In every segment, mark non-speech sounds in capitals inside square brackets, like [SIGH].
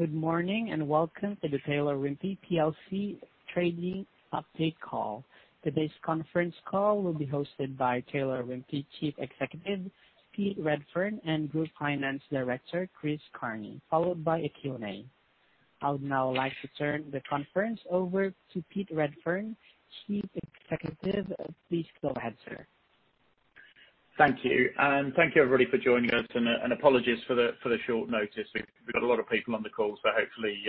Good morning, welcome to the Taylor Wimpey PLC trading update call. Today's conference call will be hosted by Taylor Wimpey Chief Executive, Pete Redfern, and Group Finance Director, Chris Carney, followed by a Q&A. I would now like to turn the conference over to Pete Redfern, Chief Executive. Please go ahead, sir. Thank you. Thank you, everybody, for joining us, and apologies for the short notice. We've got a lot of people on the call, so hopefully,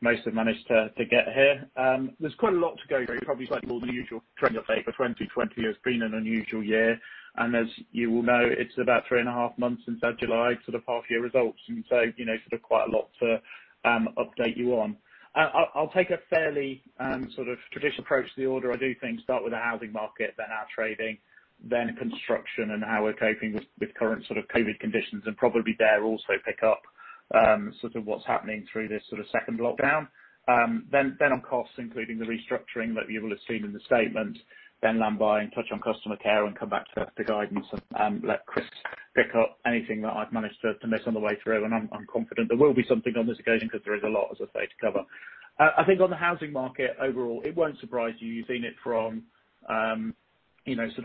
most have managed to get here. There's quite a lot to go through, probably slightly more than the usual trading update for 2020. It's been an unusual year. As you all know, it's about three and a half months since our July half year results, quite a lot to update you on. I'll take a fairly traditional approach to the order. I do think start with the housing market, then our trading, then construction and how we're coping with current COVID conditions, and probably there also pick up what's happening through this second lockdown. On costs, including the restructuring that you will have seen in the statement, land buy and touch on customer care, come back to the guidance and let Chris pick up anything that I've managed to miss on the way through. I'm confident there will be something on this occasion because there is a lot, as I say, to cover. I think on the housing market overall, it won't surprise you. You've seen it from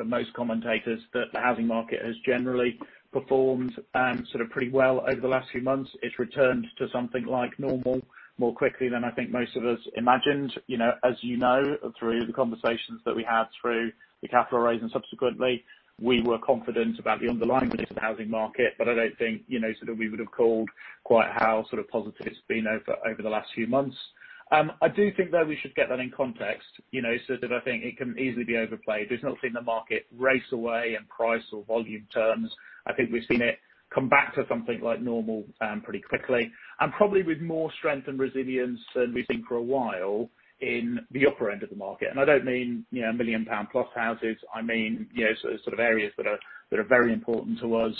most commentators that the housing market has generally performed pretty well over the last few months. It's returned to something like normal more quickly than I think most of us imagined. As you know, through the conversations that we had through the capital raise and subsequently, we were confident about the underlying condition of the housing market. I don't think we would have called quite how positive it's been over the last few months. I do think, though, we should get that in context, so that I think it can easily be overplayed. We've not seen the market race away in price or volume terms. I think we've seen it come back to something like normal pretty quickly, and probably with more strength and resilience than we've seen for a while in the upper end of the market. I don't mean 1 million pound plus houses, I mean areas that are very important to us,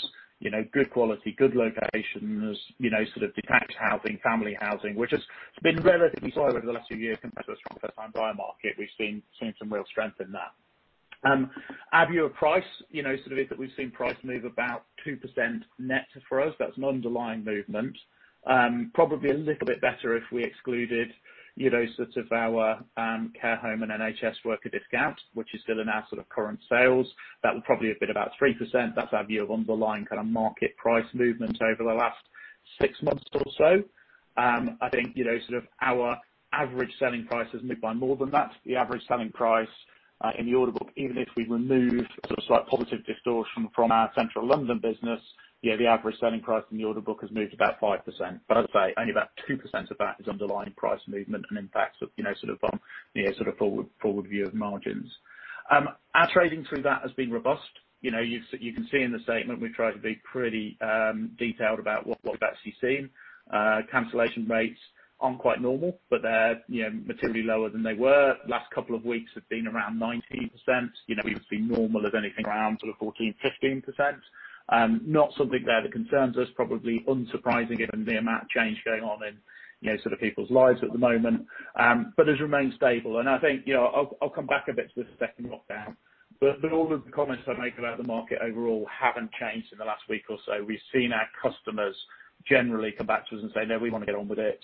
good quality, good locations, detached housing, family housing which has been relatively slow over the last few years compared to a strong first time buyer market. We've seen some real strength in that. Our view of price is that we've seen price move about 2% net for us. That's an underlying movement. Probably a little bit better if we excluded our care home and NHS worker discount, which is still in our current sales. That would probably have been about 3%. That's our view of underlying market price movement over the last six months or so. I think our average selling price has moved by more than that. The average selling price in the order book, even if we remove slight positive distortion from our central London business, the average selling price in the order book has moved about 5%. As I say, only about 2% of that is underlying price movement and in fact forward view of margins. Our trading through that has been robust. You can see in the statement we've tried to be pretty detailed about what of that you've seen. Cancellation rates aren't quite normal, they're materially lower than they were. Last couple of weeks have been around 19%. We would see normal as anything around 14%-15%. Not something there that concerns us, probably unsurprising given the amount of change going on in people's lives at the moment. Has remained stable, and I think I'll come back a bit to the second lockdown. All the comments I make about the market overall haven't changed in the last week or so. We've seen our customers generally come back to us and say, "No, we want to get on with it.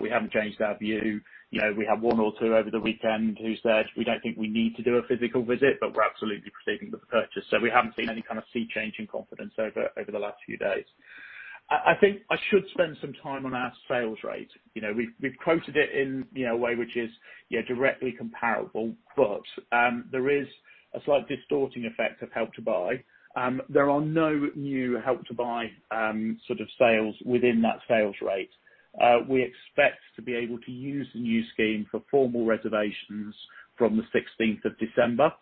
We haven't changed our view." We had one or two over the weekend who said, "We don't think we need to do a physical visit, but we're absolutely proceeding with the purchase." We haven't seen any kind of sea change in confidence over the last few days. I think I should spend some time on our sales rate. We've quoted it in a way which is directly comparable. There is a slight distorting effect of Help to Buy. There are no new Help to Buy sales within that sales rate. We expect to be able to use the new scheme for formal reservations from the 16th of December.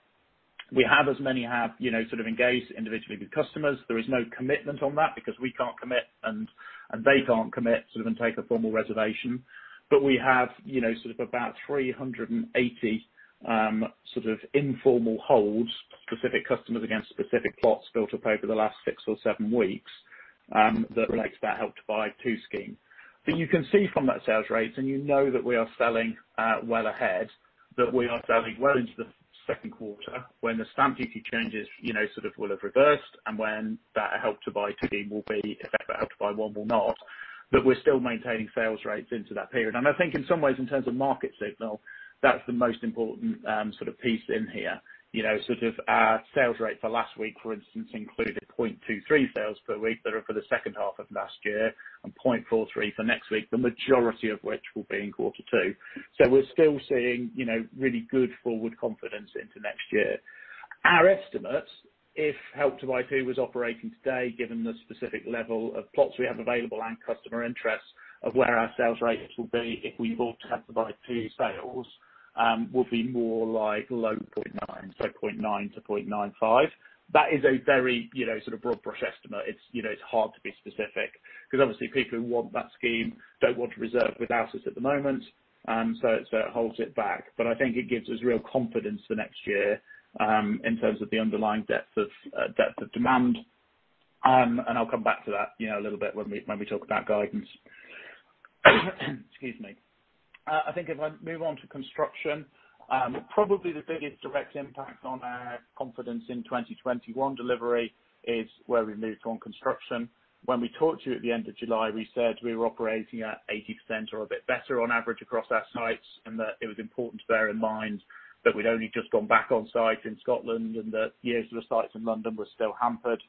We have, as many have, engaged individually with customers. There is no commitment on that because we can't commit, and they can't commit and take a formal reservation. We have about 380 informal holds, specific customers against specific plots built up over the last six or seven weeks that relates to that Help to Buy 2 scheme. You can see from that sales rate, and you know that we are selling well ahead, that we are selling well into the second quarter when the stamp duty changes will have reversed and when that Help to Buy 2 scheme will be effective, Help to Buy 1 will not, but we're still maintaining sales rates into that period. I think in some ways, in terms of market signal, that's the most important piece in here. Our sales rate for last week, for instance, included 0.23 sales per week that are for the second half of last year and 0.43 for next week, the majority of which will be in quarter two. We're still seeing really good forward confidence into next year. Our estimate, if Help to Buy 2 was operating today, given the specific level of plots we have available and customer interest of where our sales rates will be if we booked Help to Buy 2 sales, will be more like low 0.9, so 0.9 to 0.95. That is a very broad brush estimate. It's hard to be specific because obviously people who want that scheme don't want to reserve with us at the moment, so it holds it back. I think it gives us real confidence for next year in terms of the underlying depth of demand, and I'll come back to that a little bit when we talk about guidance. Excuse me. I think if I move on to construction, probably the biggest direct impact on our confidence in 2021 delivery is where we've moved on construction. When we talked to you at the end of July, we said we were operating at 80% or a bit better on average across our sites, and that it was important to bear in mind that we'd only just gone back on site in Scotland and that some of the sites in London were still hampered.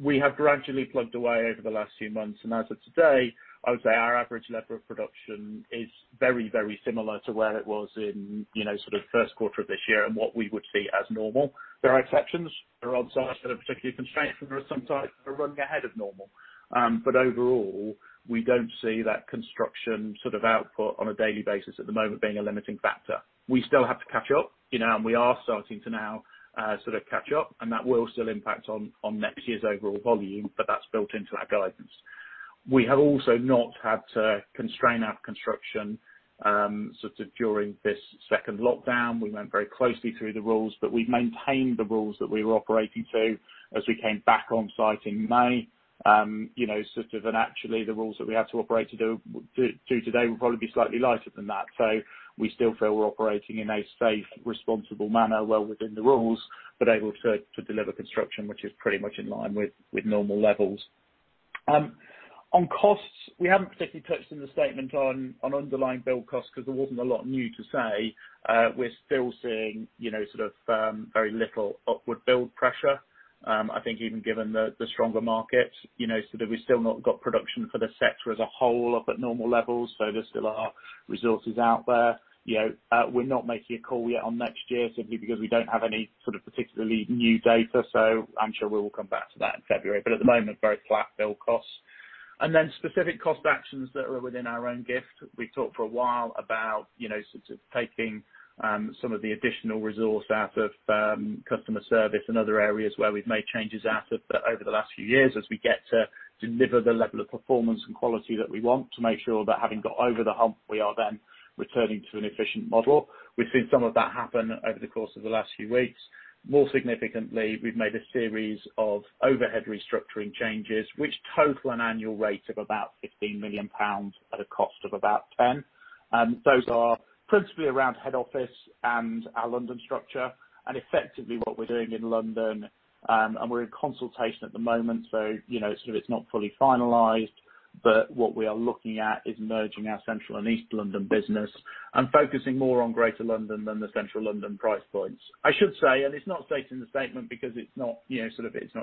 We have gradually plugged away over the last few months, and as of today, I would say our average level of production is very similar to where it was in sort of first quarter of this year and what we would see as normal. There are exceptions. There are sites that are particularly constrained, and there are some sites that are running ahead of normal. Overall, we don't see that construction output on a daily basis at the moment being a limiting factor. We still have to catch up, and we are starting to now catch up, and that will still impact on next year's overall volume. That's built into that guidance. We have also not had to constrain our construction during this second lockdown. We went very closely through the rules, but we've maintained the rules that we were operating to as we came back on site in May. Actually, the rules that we have to operate to do today will probably be slightly lighter than that. We still feel we're operating in a safe, responsible manner well within the rules, but able to deliver construction which is pretty much in line with normal levels. On costs, we haven't particularly touched in the statement on underlying build costs because there wasn't a lot new to say. We're still seeing very little upward build pressure. I think even given the stronger market, we've still not got production for the sector as a whole up at normal levels. There still are resources out there. We're not making a call yet on next year simply because we don't have any particularly new data. I'm sure we will come back to that in February. At the moment, very flat build costs. Specific cost actions that are within our own gift. We've talked for a while about taking some of the additional resource out of customer service and other areas where we've made changes out of over the last few years as we get to deliver the level of performance and quality that we want to make sure that having got over the hump, we are then returning to an efficient model. We've seen some of that happen over the course of the last few weeks. More significantly, we've made a series of overhead restructuring changes which total an annual rate of about 15 million pounds at a cost of about 10. Those are principally around head office and our London structure and effectively what we're doing in London, and we're in consultation at the moment, so it's not fully finalized. What we are looking at is merging our central and East London business and focusing more on Greater London than the central London price points. I should say, and it's not stated in the statement because it's not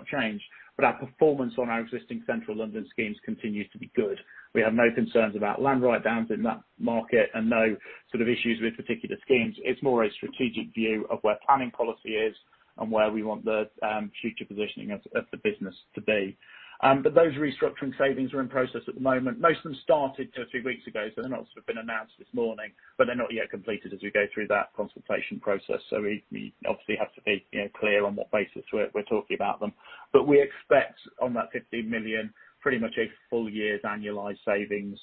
changed, but our performance on our existing central London schemes continues to be good. We have no concerns about land write-downs in that market and no issues with particular schemes. It's more a strategic view of where planning policy is and where we want the future positioning of the business to be. Those restructuring savings are in process at the moment. Most of them started two or three weeks ago, they'll have been announced this morning, they're not yet completed as we go through that consultation process. We obviously have to be clear on what basis we're talking about them, we expect on that 15 million, pretty much a full year's annualized savings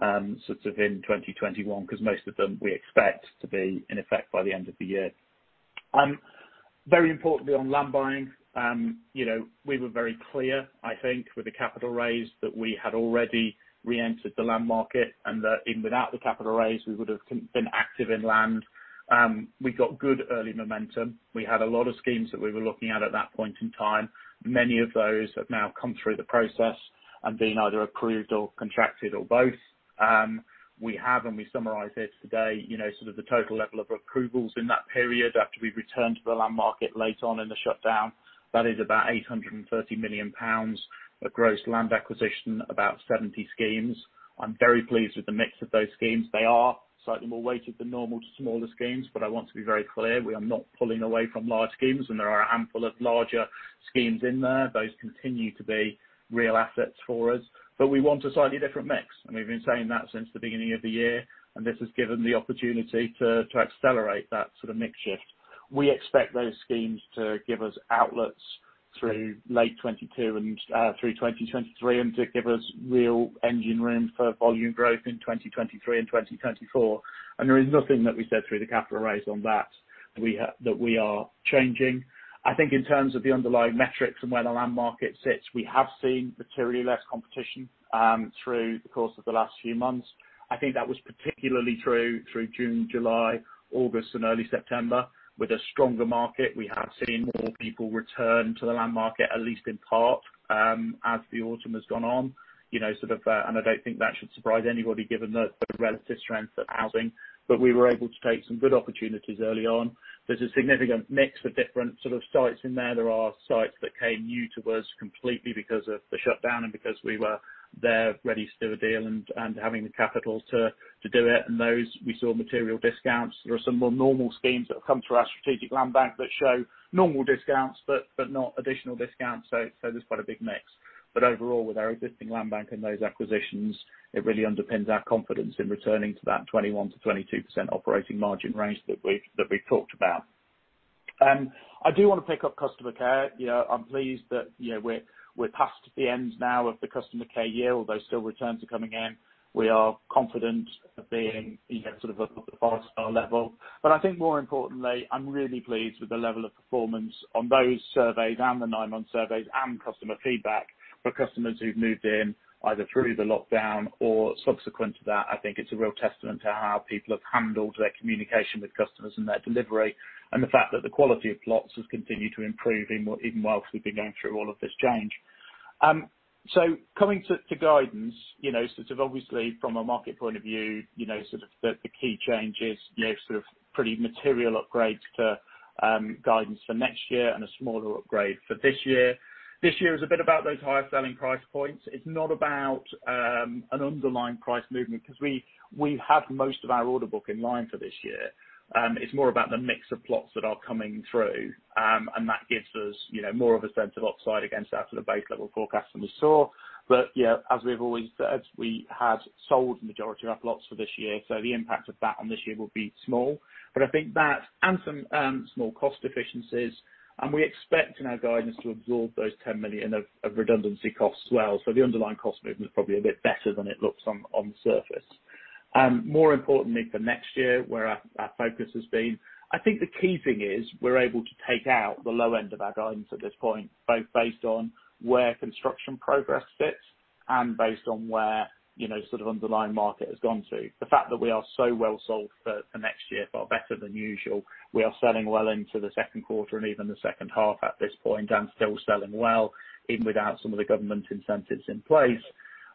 in 2021, because most of them we expect to be in effect by the end of the year. Very importantly, on land buying, we were very clear, I think, with the capital raise that we had already reentered the land market and that even without the capital raise, we would have been active in land. We got good early momentum. We had a lot of schemes that we were looking at at that point in time. Many of those have now come through the process and been either approved or contracted or both. We have, and we summarized it today, the total level of approvals in that period after we've returned to the land market late on in the shutdown. That is about 830 million pounds of gross land acquisition, about 70 schemes. I'm very pleased with the mix of those schemes. They are slightly more weighted than normal to smaller schemes. I want to be very clear, we are not pulling away from large schemes and there are a handful of larger schemes in there. Those continue to be real assets for us. We want a slightly different mix, and we've been saying that since the beginning of the year, and this has given the opportunity to accelerate that sort of mix shift. We expect those schemes to give us outlets through late 2022 and through 2023 and to give us real engine room for volume growth in 2023 and 2024. There is nothing that we said through the capital raise on that we are changing. I think in terms of the underlying metrics and where the land market sits, we have seen materially less competition through the course of the last few months. I think that was particularly true through June, July, August, and early September. With a stronger market, we have seen more people return to the land market, at least in part, as the autumn has gone on. I don't think that should surprise anybody given the relative strength of housing. We were able to take some good opportunities early on. There's a significant mix of different sites in there. There are sites that came new to us completely because of the shutdown and because we were there ready to do a deal and having the capital to do it. Those we saw material discounts. There are some more normal schemes that have come through our strategic land bank that show normal discounts but not additional discounts. There's quite a big mix. Overall, with our existing land bank and those acquisitions, it really underpins our confidence in returning to that 21%-22% operating margin range that we've talked about. I do want to pick up customer care. I'm pleased that we're past the end now of the customer care year, although still returns are coming in. We are confident of being at the five-star level. I think more importantly, I'm really pleased with the level of performance on those surveys and the nine-month surveys and customer feedback for customers who've moved in either through the lockdown or subsequent to that. I think it's a real testament to how people have handled their communication with customers and their delivery, and the fact that the quality of plots has continued to improve even whilst we've been going through all of this change. Coming to guidance, obviously from a market point of view, the key change is pretty material upgrades to guidance for next year and a smaller upgrade for this year. This year is a bit about those higher selling price points. It's not about an underlying price movement because we have most of our order book in line for this year. It's more about the mix of plots that are coming through, and that gives us more of a sense of upside against our sort of base level forecast than we saw. Yeah, as we've always said, we had sold the majority of our plots for this year, so the impact of that on this year will be small. I think that and some small cost efficiencies, and we expect in our guidance to absorb those 10 million of redundancy costs as well. The underlying cost movement is probably a bit better than it looks on the surface. More importantly for next year, where our focus has been, I think the key thing is we're able to take out the low end of our guidance at this point, both based on where construction progress sits and based on where underlying market has gone to. The fact that we are so well sold for next year, far better than usual, we are selling well into the second quarter and even the second half at this point and still selling well even without some of the government incentives in place.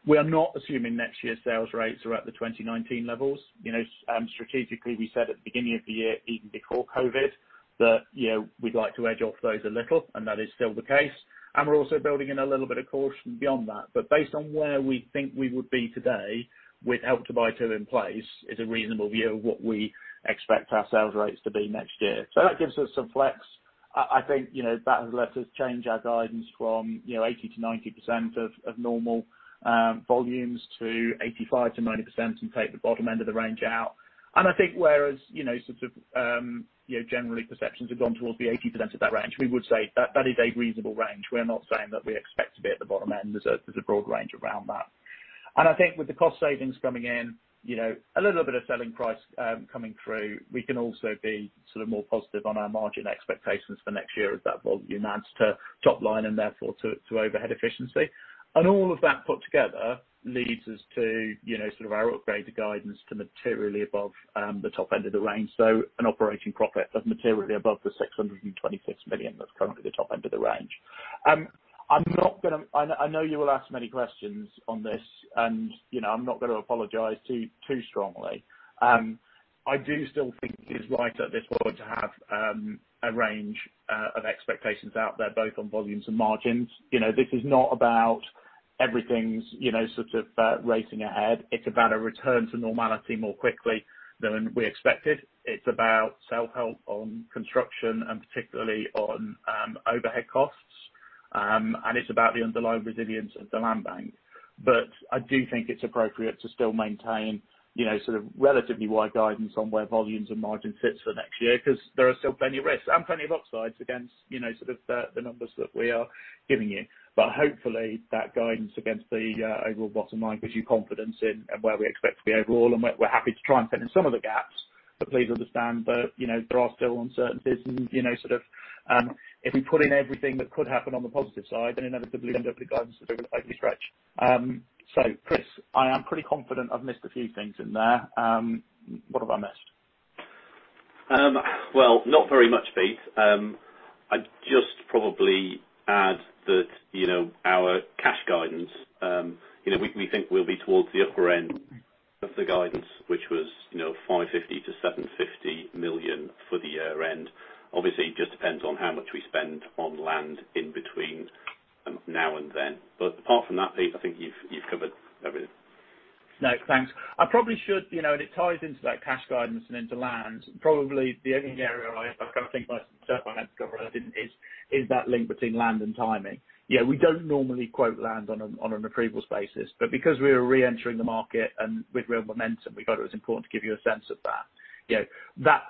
We are not assuming next year's sales rates are at the 2019 levels. Strategically, we said at the beginning of the year, even before COVID, that we'd like to edge off those a little, and that is still the case. We're also building in a little bit of caution beyond that. Based on where we think we would be today with Help to Buy 2 in place is a reasonable view of what we expect our sales rates to be next year. That gives us some flex. I think that has let us change our guidance from 80%-90% of normal volumes to 85%-90% and take the bottom end of the range out. I think whereas generally perceptions have gone towards the 80% of that range, we would say that is a reasonable range. We're not saying that we expect to be at the bottom end. There's a broad range around that. I think with the cost savings coming in, a little bit of selling price coming through, we can also be more positive on our margin expectations for next year as that volume adds to top line and therefore to overhead efficiency. All of that put together leads us to our upgraded guidance to materially above the top end of the range. An operating profit of materially above the 626 million that's currently the top end of the range. I know you will ask many questions on this, and I'm not going to apologize too strongly. I do still think it is right at this point to have a range of expectations out there, both on volumes and margins. This is not about everything's racing ahead. It's about a return to normality more quickly than we expected. It's about self-help on construction and particularly on overhead costs. It's about the underlying resilience of the land bank. I do think it's appropriate to still maintain relatively wide guidance on where volumes and margin sits for next year because there are still plenty of risks and plenty of upsides against the numbers that we are giving you. Hopefully that guidance against the overall bottom line gives you confidence in where we expect to be overall, and we're happy to try and fill in some of the gaps, but please understand that there are still uncertainties and if we put in everything that could happen on the positive side, then inevitably end up with guidance that's overly stretched. Chris, I am pretty confident I've missed a few things in there. What have I missed? Well, not very much, Pete. I'd just probably add that our cash guidance, we think we'll be towards the upper end of the guidance, which was 550 million-750 million for the year-end. Obviously, it just depends on how much we spend on land in between now and then. Apart from that, Pete, I think you've covered everything. No, thanks. I probably should, and it ties into that cash guidance and into land. Probably the only area I think myself I meant to cover and I didn't is that link between land and timing. Yeah, we don't normally quote land on an approvals basis, but because we are re-entering the market and with real momentum, we thought it was important to give you a sense of that.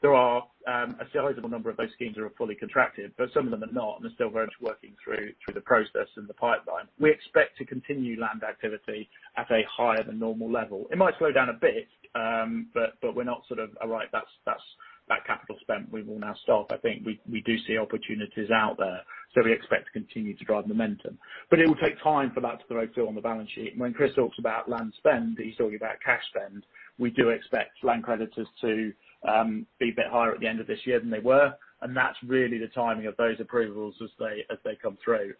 There are a sizable number of those schemes that are fully contracted, but some of them are not, and are still very much working through the process and the pipeline. We expect to continue land activity at a higher than normal level. It might slow down a bit, but we're not sort of, all right, that capital spent, we will now stop. I think we do see opportunities out there, so we expect to continue to drive momentum. It will take time for that to flow through on the balance sheet. When Chris talks about land spend, he's talking about cash spend. We do expect land creditors to be a bit higher at the end of this year than they were, and that's really the timing of those approvals as they come through.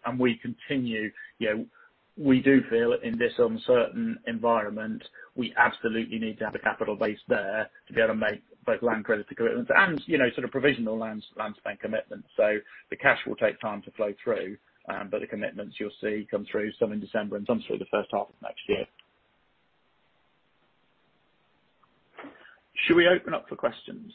We do feel in this uncertain environment, we absolutely need to have a capital base there to be able to make both land credit commitments and provisional land bank commitments. The cash will take time to flow through, but the commitments you'll see come through some in December and some through the first half of next year. Should we open up for questions?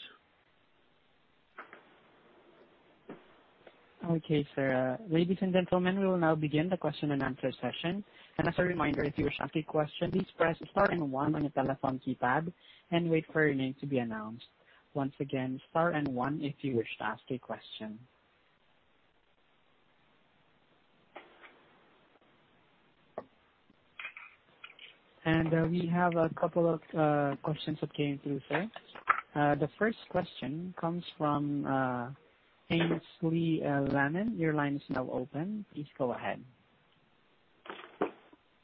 Okay, sir. Ladies and gentlemen, we will now begin the question-and-answer session. As a reminder, if you wish to ask a question, please press star and one on your telephone keypad and wait for your name to be announced. Once again, star and one if you wish to ask a question. We have a couple of questions that came through, sir. The first question comes from Aynsley Lammin. Your line is now open. Please go ahead.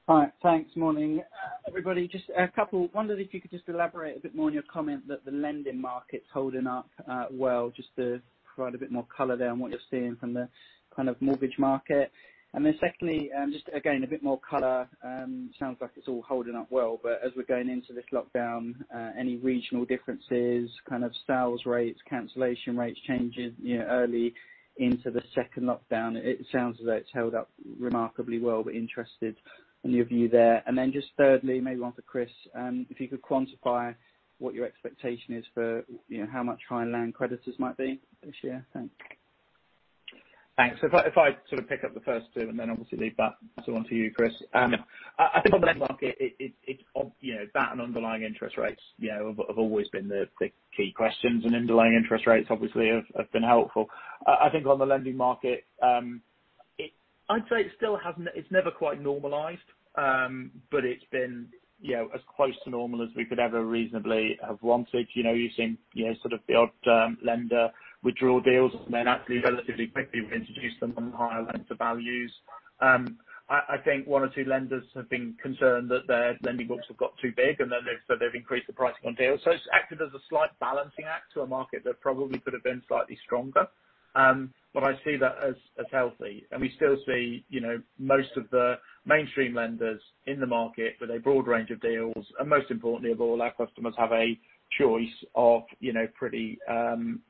Hi. Thanks. Morning, everybody. Wondered if you could just elaborate a bit more on your comment that the lending market's holding up well, just to provide a bit more color there on what you're seeing from the kind of mortgage market. Secondly, just again, a bit more color. Sounds like it's all holding up well, but as we're going into this lockdown, any regional differences, kind of sales rates, cancellation rates changing early into the second lockdown? It sounds as though it's held up remarkably well, but interested in your view there. Thirdly, maybe one for Chris, if you could quantify what your expectation is for how much high land creditors might be this year. Thanks. Thanks. If I sort of pick up the first two and then obviously leave that one to you, Chris. I think on the lending market, that and underlying interest rates have always been the key questions. Underlying interest rates obviously have been helpful. I think on the lending market, I'd say it's never quite normalized, but it's been as close to normal as we could ever reasonably have wanted. You've seen sort of the odd lender withdraw deals, and then actually relatively quickly reintroduce them on higher lender values. I think one or two lenders have been concerned that their lending books have got too big, so they've increased the pricing on deals. It's acted as a slight balancing act to a market that probably could have been slightly stronger. I see that as healthy. We still see most of the mainstream lenders in the market with a broad range of deals. Most importantly of all, our customers have a choice of pretty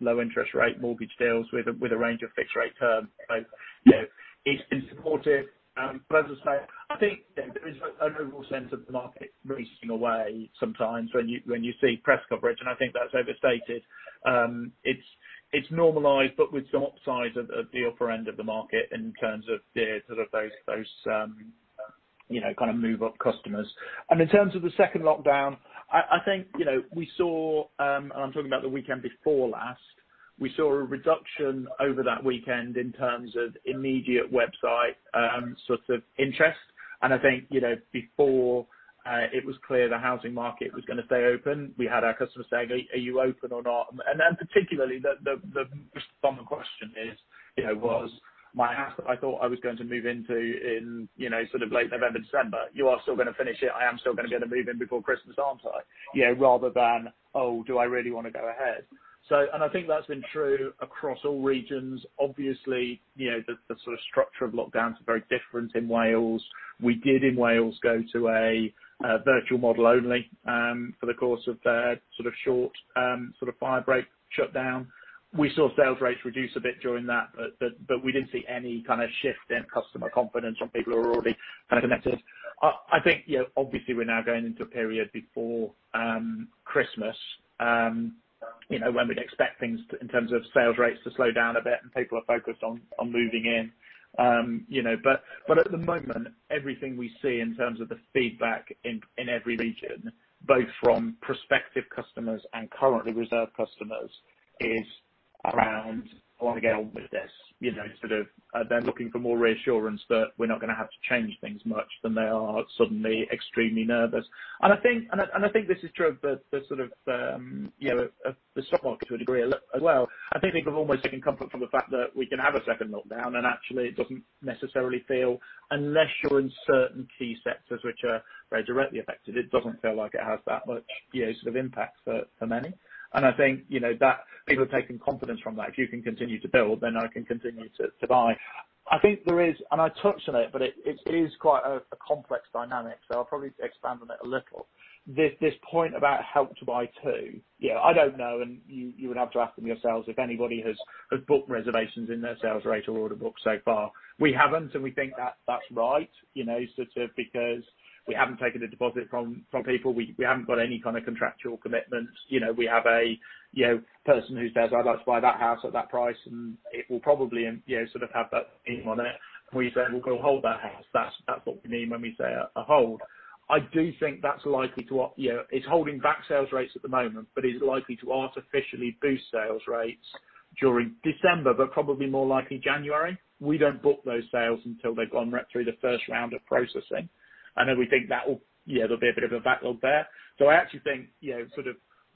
low interest rate mortgage deals with a range of fixed rate terms. It's been supportive. As I say, I think there is an overall sense of the market racing away sometimes when you see press coverage, and I think that's overstated. It's normalized, but with some upsides at the upper end of the market in terms of those kind of move-up customers. In terms of the second lockdown, I think we saw, and I'm talking about the weekend before last, we saw a reduction over that weekend in terms of immediate website interest. I think before it was clear the housing market was going to stay open, we had our customers saying, "Are you open or not?" Particularly the most common question was, "My house that I thought I was going to move into in late November, December, you are still going to finish it. I am still going to be able to move in before Christmas, aren't I?" Rather than, "Oh, do I really want to go ahead?" I think that's been true across all regions. Obviously, the sort of structure of lockdowns are very different in Wales. We did in Wales go to a virtual model only for the course of their short fire break shutdown. We saw sales rates reduce a bit during that, but we didn't see any kind of shift in customer confidence from people who are already kind of connected. I think obviously we're now going into a period before Christmas when we'd expect things in terms of sales rates to slow down a bit and people are focused on moving in. At the moment, everything we see in terms of the feedback in every region, both from prospective customers and currently reserved customers, is around, I want to get on with this. Sort of they're looking for more reassurance that we're not going to have to change things much than they are suddenly extremely nervous. I think this is true of the stock market to a degree as well. I think people have almost taken comfort from the fact that we can have a second lockdown and actually it doesn't necessarily feel, unless you're in certain key sectors which are very directly affected, it doesn't feel like it has that much sort of impact for many. I think people have taken confidence from that. If you can continue to build, then I can continue to buy. I think there is, and I touched on it, but it is quite a complex dynamic, so I'll probably expand on it a little. This point about Help to Buy 2. I don't know, and you would have to ask them yourselves if anybody has booked reservations in their sales rate or order book so far. We haven't, and we think that's right because we haven't taken a deposit from people. We haven't got any kind of contractual commitments. We have a person who says, "I'd like to buy that house at that price," and it will probably have that theme on it. We say, "We're going to hold that house." That's what we mean when we say a hold. I do think that's likely. It's holding back sales rates at the moment, but is likely to artificially boost sales rates during December, but probably more likely January. We don't book those sales until they've gone right through the first round of processing. Then we think there'll be a bit of a backlog there. I actually think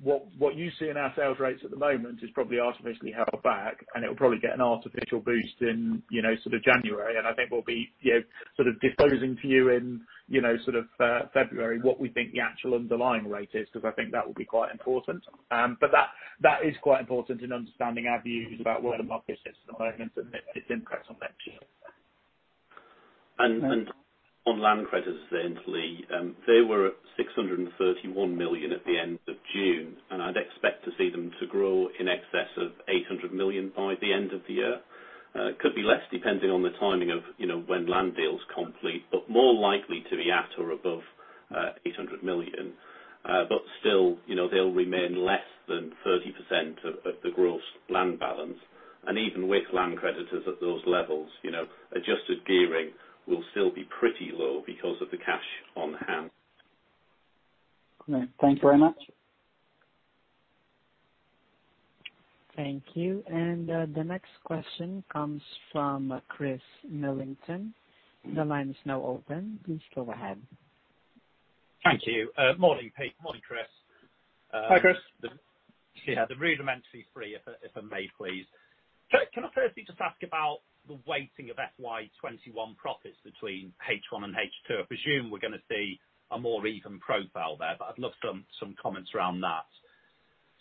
what you see in our sales rates at the moment is probably artificially held back, and it will probably get an artificial boost in January. I think we'll be disposing for you in February what we think the actual underlying rate is, because I think that will be quite important. That is quite important in understanding our views about where the market sits at the moment and its impact on next year. On land creditors then, Aynsley, they were at 631 million at the end of June, and I'd expect to see them to grow in excess of 800 million by the end of the year. Could be less depending on the timing of when land deals complete, more likely to be at or above 800 million. Still, they'll remain less than 30% of the gross land balance. Even with land creditors at those levels, adjusted gearing will still be pretty low because of the cash on hand. Great. Thank you very much. Thank you. The next question comes from Chris Millington. Thank you. Morning, Pete. Morning, Chris. Hi, Chris. Yeah, the rudimentarily three, if I may, please. Can I firstly just ask about the weighting of FY 2021 profits between H1 and H2? I presume we're going to see a more even profile there, but I'd love some comments around that.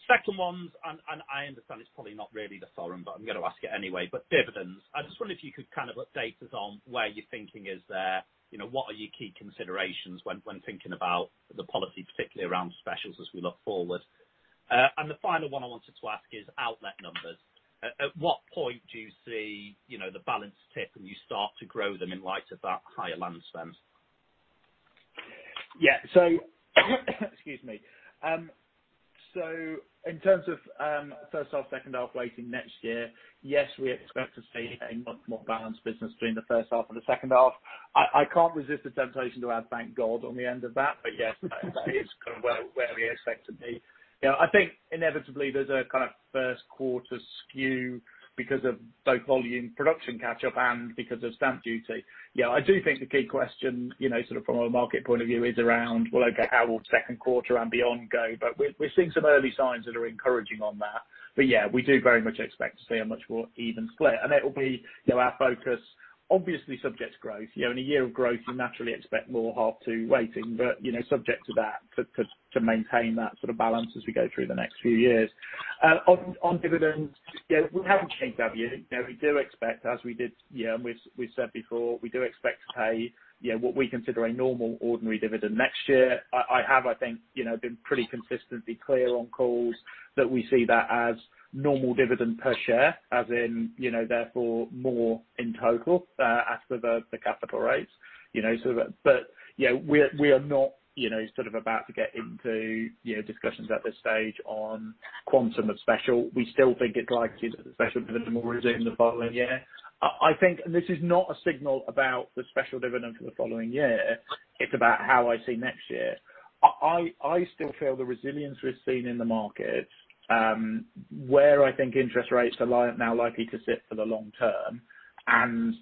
Second one. I understand it's probably not really the forum, but I'm going to ask it anyway, but dividends. I just wonder if you could update us on where your thinking is there. What are your key considerations when thinking about the policy, particularly around specials as we look forward? The final one I wanted to ask is outlet numbers. At what point do you see the balance tip and you start to grow them in light of that higher land spend? Excuse me. In terms of first half, second half weighting next year, yes, we expect to see a much more balanced business between the first half and the second half. I can't resist the temptation to add thank God on the end of that. Yes, that is kind of where we expect to be. I think inevitably there's a first quarter skew because of both volume production catch-up and because of stamp duty. I do think the key question from a market point of view is around, well, okay, how will second quarter and beyond go? We're seeing some early signs that are encouraging on that. Yeah, we do very much expect to see a much more even split. It will be our focus, obviously subject to growth. In a year of growth, you naturally expect more half two weighting. Subject to that, to maintain that sort of balance as we go through the next few years. On dividends, we haven't changed our view. We do expect, as we said before, we do expect to pay what we consider a normal ordinary dividend next year. I have, I think, been pretty consistently clear on calls that we see that as normal dividend per share, as in, therefore more in total as per the capital rates. We are not about to get into discussions at this stage on quantum of special. We still think it's likely that the special dividend will resume the following year. I think, this is not a signal about the special dividend for the following year, it's about how I see next year. I still feel the resilience we've seen in the market, where I think interest rates are now likely to sit for the long term and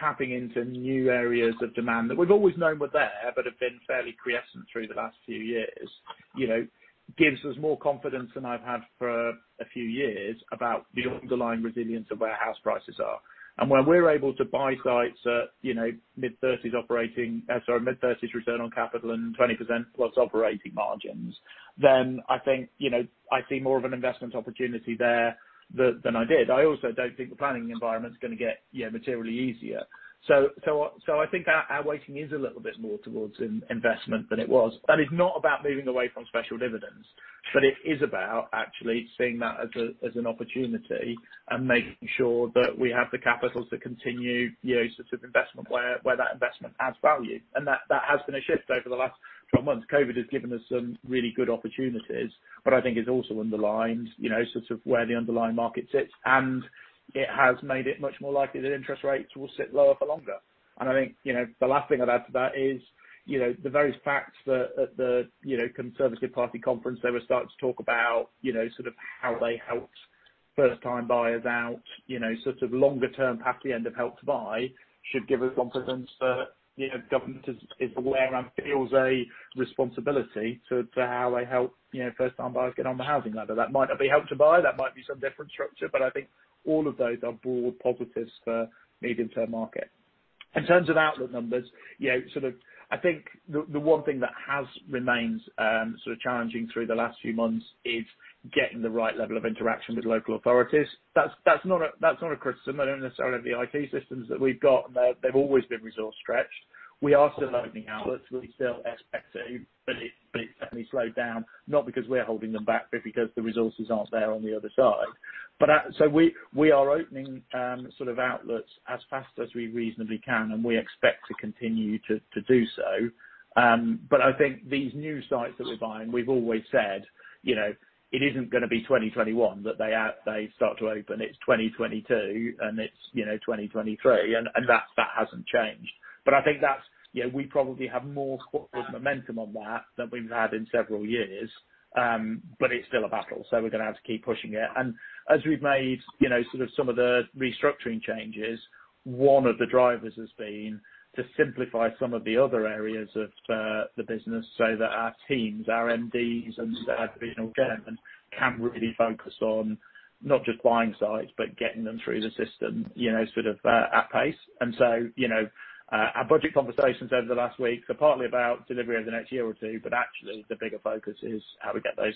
tapping into new areas of demand that we've always known were there, but have been fairly quiescent through the last few years gives us more confidence than I've had for a few years about the underlying resilience of where house prices are. When we're able to buy sites at mid-30s return on capital and 20% plus operating margins, then I think I see more of an investment opportunity there than I did. I also don't think the planning environment is going to get materially easier. I think our weighting is a little bit more towards investment than it was. That is not about moving away from special dividends, but it is about actually seeing that as an opportunity and making sure that we have the capital to continue investment where that investment adds value. That has been a shift over the last 12 months. COVID has given us some really good opportunities, but I think it's also underlined where the underlying market sits, and it has made it much more likely that interest rates will sit lower for longer. I think the last thing I'd add to that is the very fact that at the Conservative Party conference, they were starting to talk about how they helped first time buyers out longer term past the end of Help to Buy should give us confidence that government is aware and feels a responsibility to how they help first time buyers get on the housing ladder. That might not be Help to Buy, that might be some different structure, but I think all of those are broad positives for medium-term market. In terms of outlet numbers, I think the one thing that has remained challenging through the last few months is getting the right level of interaction with local authorities. That's not a criticism necessarily of the IT systems that we've got, and they've always been resource stretched. We are still opening outlets. We still expect to, but it's definitely slowed down. Not because we're holding them back, but because the resources aren't there on the other side. We are opening outlets as fast as we reasonably can, and we expect to continue to do so. I think these new sites that we're buying, we've always said, it isn't going to be 2021 that they start to open. It's 2022 and it's 2023, and that hasn't changed. I think that we probably have more momentum on that than we've had in several years. It's still a battle, so we're going to have to keep pushing it. As we've made some of the restructuring changes, one of the drivers has been to simplify some of the other areas of the business so that our teams, our MDs, and our [divisional chairmen] can really focus on not just buying sites, but getting them through the system at pace. Our budget conversations over the last week are partly about delivery over the next year or two. Actually the bigger focus is how we get those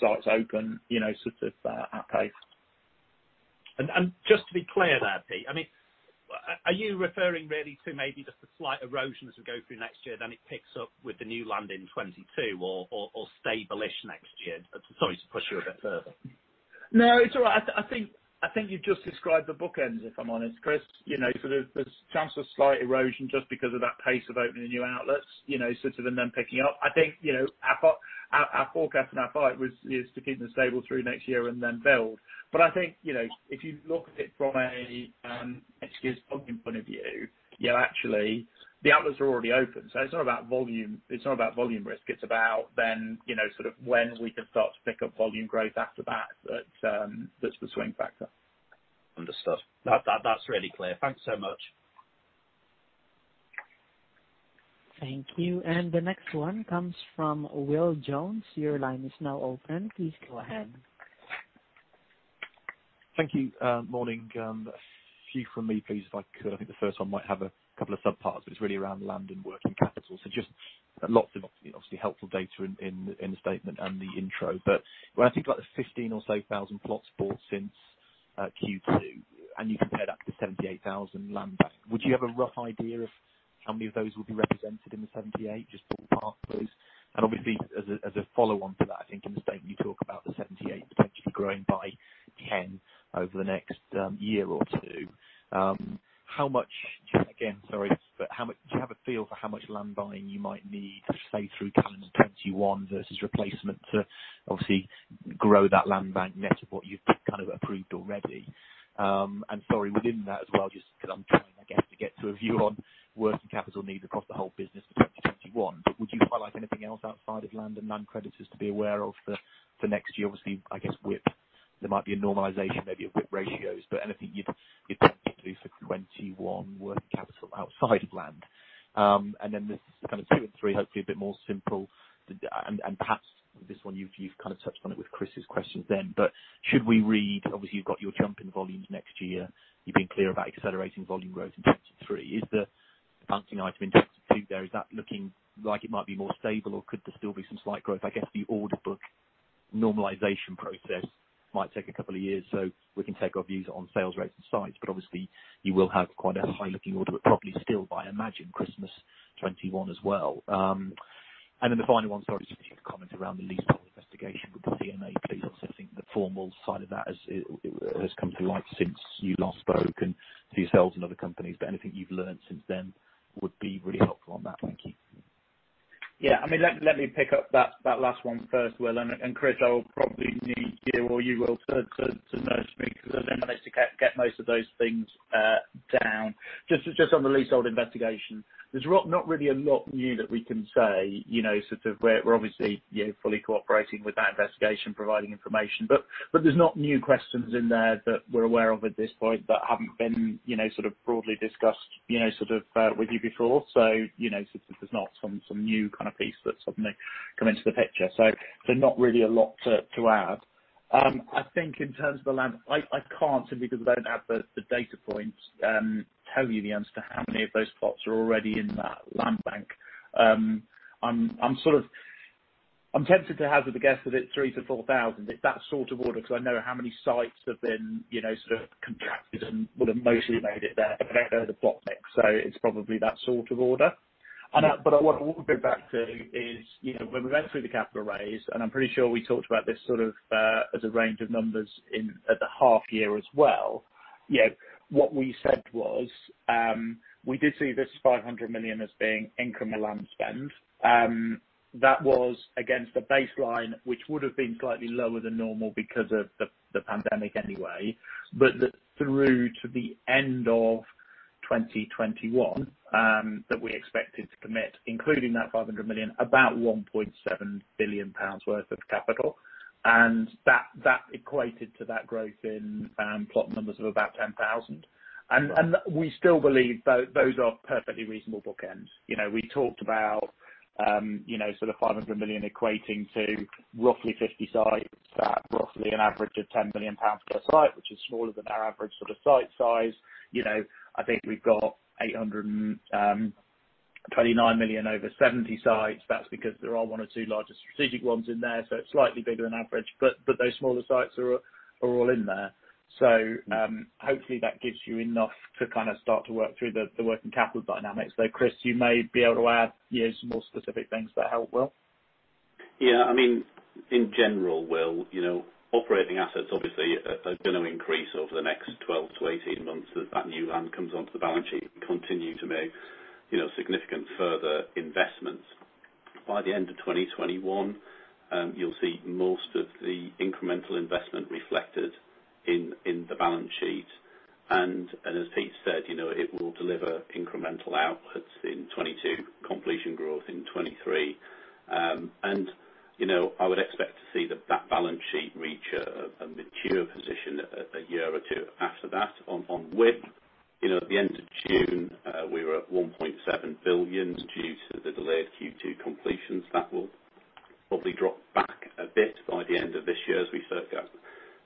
sites open at pace. Just to be clear there, Pete, are you referring really to maybe just a slight erosion as we go through next year, then it picks up with the new land in 2022 or stable-ish next year? Sorry to push you a bit further. No, it's all right. I think you've just described the bookends, if I'm honest, Chris. There's a chance of slight erosion just because of that pace of opening the new outlets, and then picking up. I think our forecast and our thought is to keep them stable through next year and then build. I think if you look at it from a, excuse, volume point of view, actually the outlets are already open, so it's not about volume risk. It's about when we can start to pick up volume growth after that's the swing factor. Understood. That's really clear. Thanks so much. Thank you. The next one comes from Will Jones. Your line is now open. Please go ahead. Thank you. Morning. A few from me, please, if I could. I think the first one might have a couple of sub-parts, but it's really around land and working capital. Just lots of obviously helpful data in the statement and the intro. When I think about the 15 or so thousand plots bought since Q2, and you compare that to the 78,000 land bank, would you have a rough idea of how many of those will be represented in the 78? Just to park those. Obviously, as a follow-on to that, I think in the statement you talk about the 78 potentially growing by 10 over the next year or two. Sorry, do you have a feel for how much land buying you might need, say, through calendar 2021 versus replacement to obviously grow that land bank net of what you've kind of approved already? Sorry, within that as well, just because I'm trying, I guess, to get to a view on working capital needs across the whole business for 2021. Would you highlight anything else outside of land and non-creditors to be aware of for next year? Obviously, I guess WIP. There might be a normalization, maybe of WIP ratios, but anything you'd potentially do for 2021 working capital outside land. Then this is kind of two and three, hopefully a bit more simple, and perhaps this one you've kind of touched on it with Chris's questions then. Should we read, obviously, you've got your jump in volumes next year. You've been clear about accelerating volume growth in 2023. Is the balancing item in 2022 there, is that looking like it might be more stable or could there still be some slight growth? I guess the order book normalization process might take a couple of years, so we can take our views on sales rates and sites, but obviously you will have quite a high-looking order book probably still by, I imagine, Christmas 2021 as well. The final one, sorry, just if you could comment around the leasehold investigation with the CMA, please. Obviously, I think the formal side of that has come to light since you last spoke and to yourselves and other companies, but anything you've learned since then would be really helpful on that. Thank you. Yeah. Let me pick up that last one first, Will. Chris, I will probably need you or you, Will, to nudge me because I've not managed to get most of those things down. Just on the leasehold investigation. There's not really a lot new that we can say. We're obviously fully cooperating with that investigation, providing information. There's no new questions in there that we're aware of at this point that haven't been broadly discussed with you before. There's not some new kind of piece that suddenly come into the picture. Not really a lot to add. I think in terms of the land, I can't simply because I don't have the data points, tell you the answer to how many of those plots are already in that land bank. I'm tempted to hazard a guess that it's 3,000-4,000. It's that sort of order, because I know how many sites have been contracted and would have mostly made it there. I don't know the plot mix, it's probably that sort of order. What I want to go back to is when we went through the capital raise, I'm pretty sure we talked about this as a range of numbers at the half year as well. What we said was, we did see this 500 million as being incremental land spend. That was against a baseline which would have been slightly lower than normal because of the pandemic anyway. Through to the end of 2021, that we expected to commit, including that 500 million, about 1.7 billion pounds worth of capital. That equated to that growth in plot numbers of about 10,000. We still believe those are perfectly reasonable bookends. We talked about 500 million equating to roughly 50 sites at roughly an average of 10 million pounds per site, which is smaller than our average site size. I think we've got 829 million over 70 sites. That's because there are one or two larger strategic ones in there, so it's slightly bigger than average. Those smaller sites are all in there. Hopefully that gives you enough to kind of start to work through the working capital dynamics. Though, Chris, you may be able to add some more specific things that help, Will. Yeah. In general, Will, operating assets obviously are going to increase over the next 12-18 months as that new land comes onto the balance sheet and continue to make significant further investments. By the end of 2021, you'll see most of the incremental investment reflected in the balance sheet. As Pete said, it will deliver incremental outputs in 2022, completion growth in 2023. I would expect to see that balance sheet reach a mature position a year or two after that. On WIP, at the end of June, we were at 1.7 billion due to the delayed Q2 completions. That will probably drop back a bit by the end of this year as we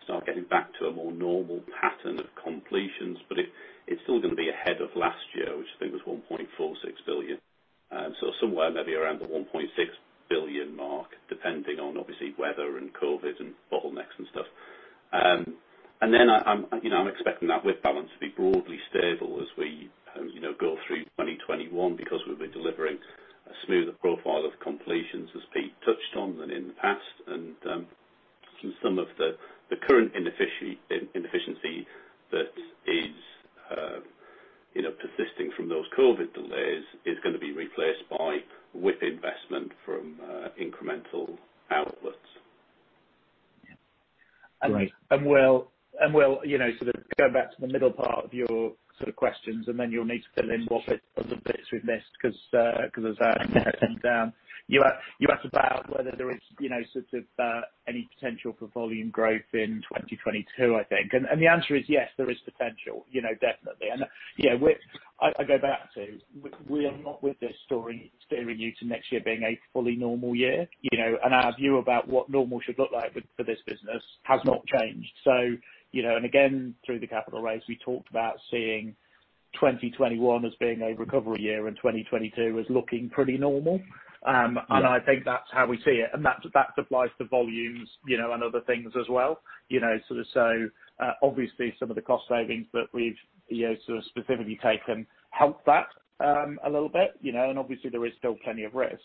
start getting back to a more normal pattern of completions. It's still going to be ahead of last year, which I think was 1.46 billion. Somewhere maybe around the 1.6 billion mark, depending on obviously weather and COVID and bottlenecks and stuff. I'm expecting that WIP balance to be broadly stable as we go through 2021 because we'll be delivering a smoother profile of completions, as Pete touched on, than in the past. Since some of the current inefficiency that is persisting from those COVID delays is going to be replaced by WIP investment from incremental We'll sort of go back to the middle part of your sort of questions and then you'll need to fill in what bits of the bits we've missed because as I'm heading down. You asked about whether there is any potential for volume growth in 2022, I think. The answer is yes, there is potential, definitely. I go back to, we are not with this story steering you to next year being a fully normal year. Our view about what normal should look like for this business has not changed. Again, through the capital raise, we talked about seeing 2021 as being a recovery year and 2022 as looking pretty normal. Yeah. I think that's how we see it, and that applies to volumes and other things as well. Obviously some of the cost savings that we've sort of specifically taken help that a little bit, and obviously there is still plenty of risk.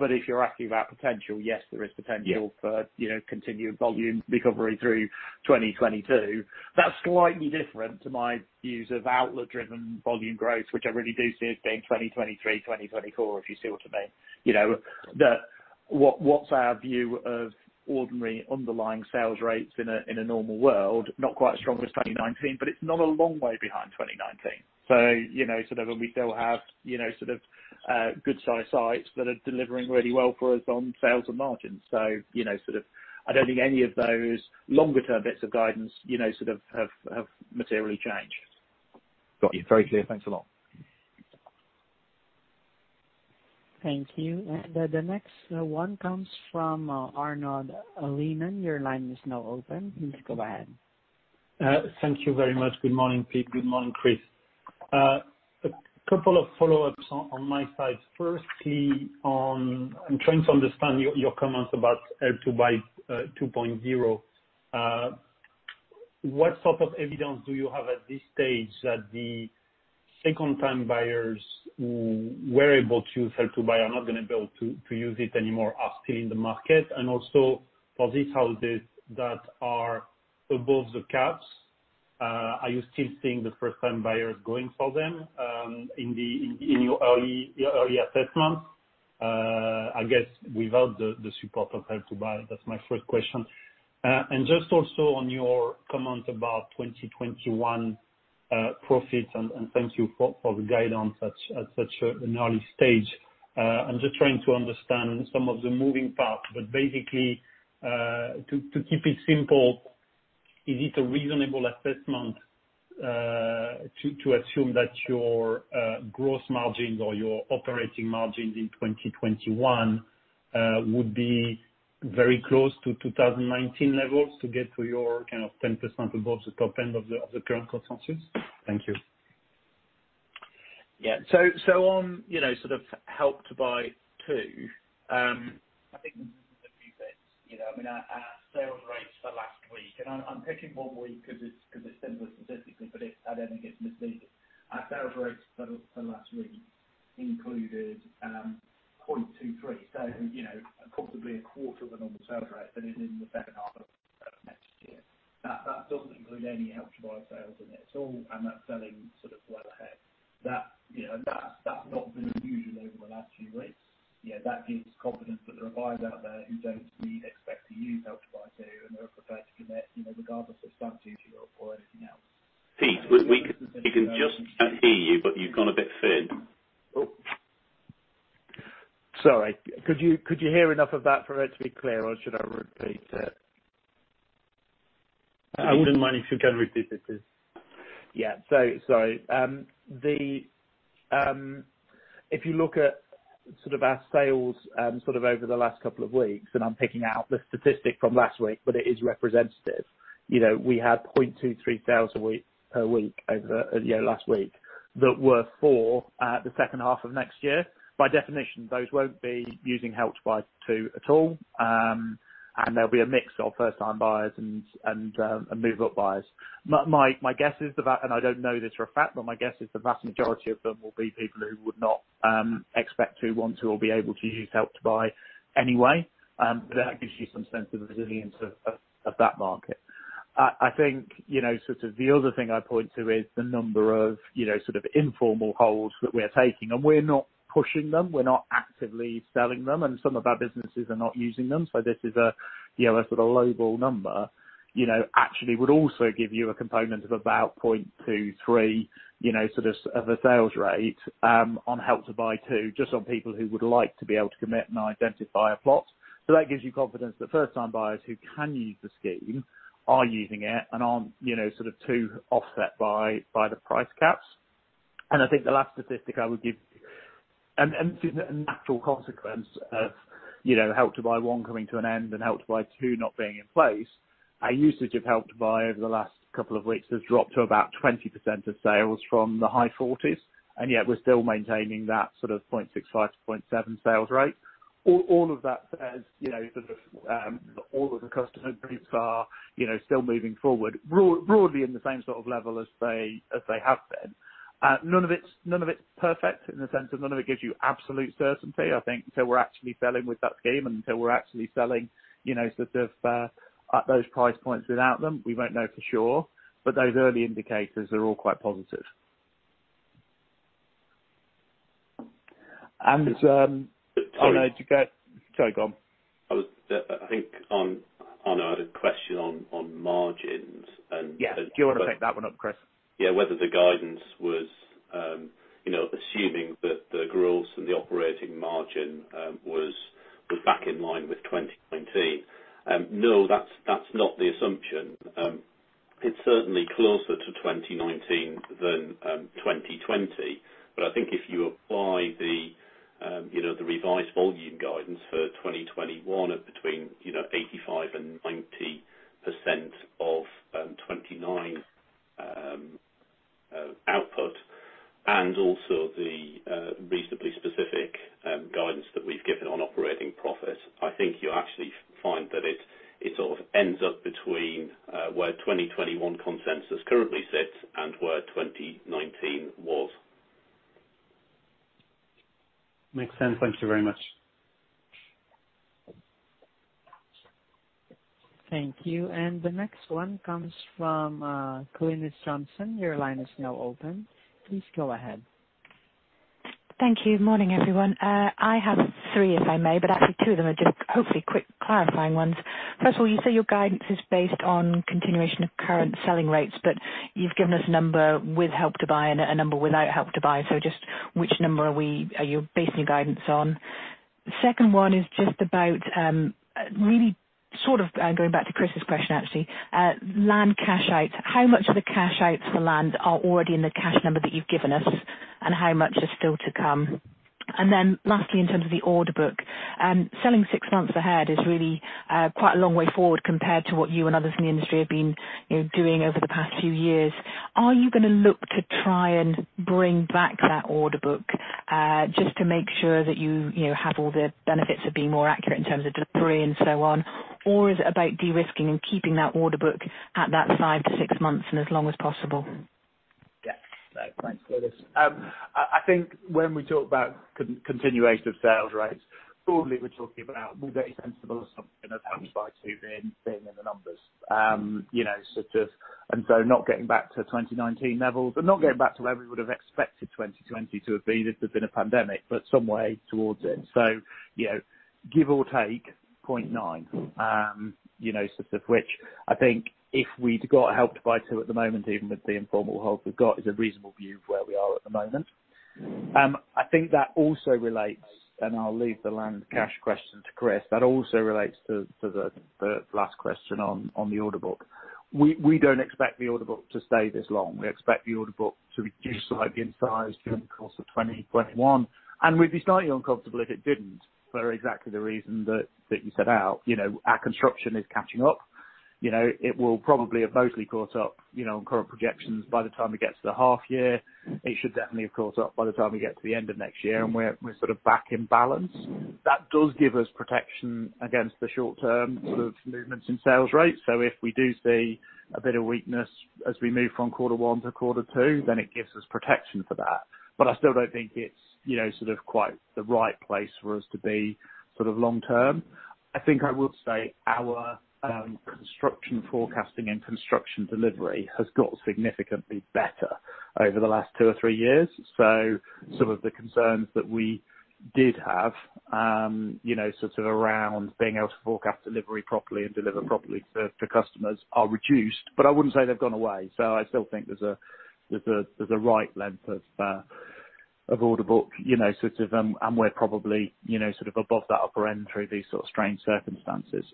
If you're asking about potential, yes, there is potential. Yeah for continued volume recovery through 2022. That's slightly different to my views of outlet driven volume growth, which I really do see as being 2023, 2024, if you see what I mean. What's our view of ordinary underlying sales rates in a normal world? Not quite as strong as 2019, but it's not a long way behind 2019. We still have good size sites that are delivering really well for us on sales and margins. I don't think any of those longer term bits of guidance have materially changed. Got you. Very clear. Thanks a lot. Thank you. The next one comes from Arnaud Lehmann. Thank you very much. Good morning, Pete. Good morning, Chris. A couple of follow-ups on my side. First, Pete, I'm trying to understand your comments about Help to Buy 2.0. What sort of evidence do you have at this stage that the second-time buyers who were able to use Help to Buy are not going to be able to use it anymore are still in the market? Also for these houses that are above the caps, are you still seeing the first-time buyers going for them in your early assessments? I guess without the support of Help to Buy. That's my first question. Just also on your comment about 2021 profits, and thank you for the guidance at such an early stage. I'm just trying to understand some of the moving parts, but basically to keep it simple, is it a reasonable assessment to assume that your gross margins or your operating margins in 2021 would be very close to 2019 levels to get to your kind of 10% above the top end of the current consensus? Thank you. Yeah. On sort of Help to Buy 2, I think there's a few bits. Our sales rates for last week, and I'm picking one week because it's simpler statistically, but I don't think it's misleading. Our sales rates for the last week included 0.23. Possibly a quarter of a normal sales rate than in the second half of next year. That doesn't include any Help to Buy sales in it at all, and that's selling sort of well ahead. That's not been unusual over the last few weeks. That gives confidence that there are buyers out there who don't expect to use Help to Buy 2, and they're prepared to commit regardless of stamp duty or anything else. Pete, we can just about hear you, but you've gone a bit thin. Sorry. Could you hear enough of that for it to be clear, or should I repeat it? I wouldn't mind if you can repeat it, please. Yeah. If you look at sort of our sales over the last couple of weeks, and I'm picking out the statistic from last week, but it is representative. We had 0.23 sales a week over last week that were for the second half of next year. By definition, those won't be using Help to Buy 2 at all, and there'll be a mix of first time buyers and move-up buyers. I don't know this for a fact, but my guess is the vast majority of them will be people who would not expect to want to or be able to use Help to Buy anyway. That gives you some sense of the resilience of that market. I think the other thing I'd point to is the number of informal holds that we are taking, and we're not pushing them, we're not actively selling them, and some of our businesses are not using them. This is a sort of lowball number actually would also give you a component of about 0.23 of a sales rate on Help to Buy 2, just on people who would like to be able to commit and identify a plot. That gives you confidence that first time buyers who can use the scheme are using it and aren't too offset by the price caps. I think the last statistic I would give, and a natural consequence of Help to Buy 1 coming to an end and Help to Buy 2 not being in place, our usage of Help to Buy over the last couple of weeks has dropped to about 20% of sales from the high 40s, and yet we're still maintaining that sort of 0.65-0.7 sales rate. All of the customer groups are still moving forward, broadly in the same sort of level as they have been. None of it's perfect in the sense that none of it gives you absolute certainty, I think, until we're actually selling with that scheme, until we're actually selling at those price points without them, we won't know for sure. Those early indicators are all quite positive. [CROSSTALK] Oh, no. Sorry, go on. I think on a question on margins. Yeah. Do you want to pick that one up, Chris? Yeah. Whether the guidance was assuming that the growth and the operating margin was back in line with 2019. No, that's not the assumption. It's certainly closer to 2019 than 2020. I think if you apply the revised volume guidance for 2021 of between 85% and 90% of 2019 output, and also the reasonably specific guidance that we've given on operating profit, I think you actually find that it sort of ends up between where 2021 consensus currently sits and where 2019 was. Makes sense. Thank you very much. Thank you. The next one comes from Glynis Johnson. Your line is now open. Please go ahead. Thank you. Morning, everyone. I have three, if I may, but actually two of them are just hopefully quick clarifying ones. You say your guidance is based on continuation of current selling rates, but you've given us a number with Help to Buy and a number without Help to Buy. Just which number are you basing your guidance on? Second one is just about, really sort of going back to Chris' question, actually. Land cash outs. How much of the cash outs for land are already in the cash number that you've given us, and how much is still to come? Lastly, in terms of the order book, selling six months ahead is really quite a long way forward compared to what you and others in the industry have been doing over the past few years. Are you going to look to try and bring back that order book just to make sure that you have all the benefits of being more accurate in terms of delivery and so on? Or is it about de-risking and keeping that order book at that five to six months and as long as possible? No, thanks, Glynis. I think when we talk about continuation of sales rates, broadly, we're talking about very sensible assumption of Help to Buy 2 being in the numbers. Not getting back to 2019 levels, but not getting back to where we would have expected 2020 to have been if there'd been a pandemic, but some way towards it. Give or take 0.9, which I think if we'd got Help to Buy 2 at the moment, even with the informal hold we've got, is a reasonable view of where we are at the moment. I think I'll leave the land cash question to Chris. That also relates to the last question on the order book. We don't expect the order book to stay this long. We expect the order book to reduce slightly in size during the course of 2021, we'd be slightly uncomfortable if it didn't, for exactly the reason that you set out. Our construction is catching up. It will probably have mostly caught up on current projections by the time it gets to the half year. It should definitely have caught up by the time we get to the end of next year, we're sort of back in balance. That does give us protection against the short term sort of movements in sales rates. If we do see a bit of weakness as we move from quarter one to quarter two, then it gives us protection for that. I still don't think it's quite the right place for us to be long term. I think I would say our construction forecasting and construction delivery has got significantly better over the last two or three years. Some of the concerns that we did have around being able to forecast delivery properly and deliver properly to customers are reduced, but I wouldn't say they've gone away. I still think there's a right length of order book, and we're probably above that upper end through these sort of strange circumstances.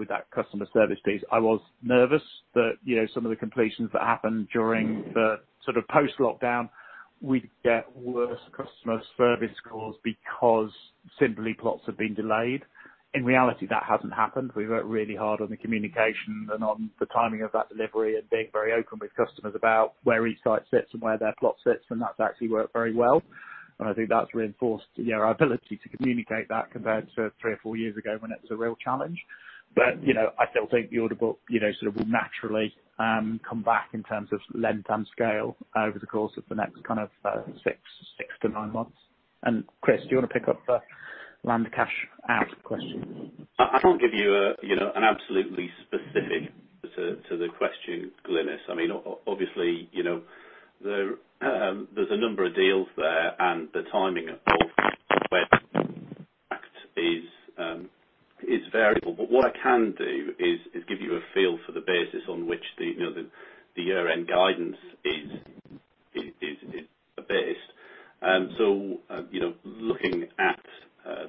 With that customer service piece, I was nervous that some of the completions that happened during the sort of post-lockdown, we'd get worse customer service scores because simply plots have been delayed. In reality, that hasn't happened. We worked really hard on the communication and on the timing of that delivery and being very open with customers about where each site sits and where their plot sits, and that's actually worked very well. I think that's reinforced our ability to communicate that compared to three or four years ago when it was a real challenge. I still think the order book will naturally come back in terms of length and scale over the course of the next kind of six to nine months. Chris, do you want to pick up the land cash out question? I can't give you an absolutely specific to the question, Glynis. There's a number of deals there, and the timing of is variable. What I can do is give you a feel for the basis on which the year-end guidance is based. Looking at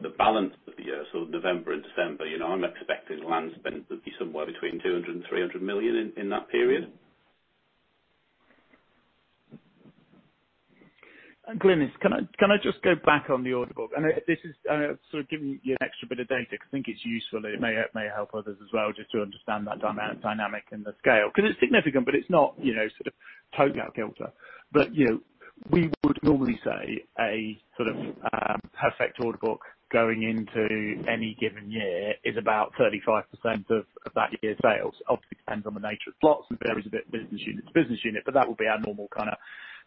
the balance of the year, November and December, I'm expecting land spend would be somewhere between 200 million and 300 million in that period. Glynis, can I just go back on the order book? This is sort of giving you an extra bit of data because I think it's useful. It may help others as well just to understand that dynamic and the scale, because it's significant, but it's not total kilter. We would normally say a sort of perfect order book going into any given year is about 35% of that year's sales. Obviously, it depends on the nature of the plots and varies a bit business unit to business unit, but that would be our normal kind of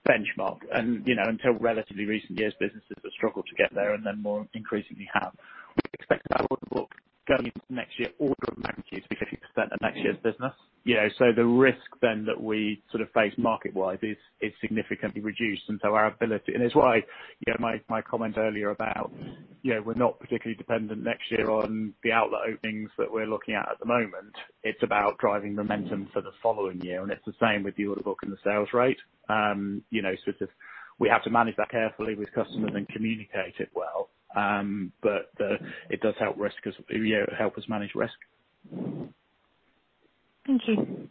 benchmark. Until relatively recent years, businesses have struggled to get there and then more increasingly have. We expect our order book going into next year order of magnitude to be 50% of next year's business. The risk then that we face market-wise is significantly reduced. It's why my comment earlier about we're not particularly dependent next year on the outlet openings that we're looking at at the moment. It's about driving momentum for the following year, and it's the same with the order book and the sales rate. We have to manage that carefully with customers and communicate it well. It does help us manage risk. Thank you.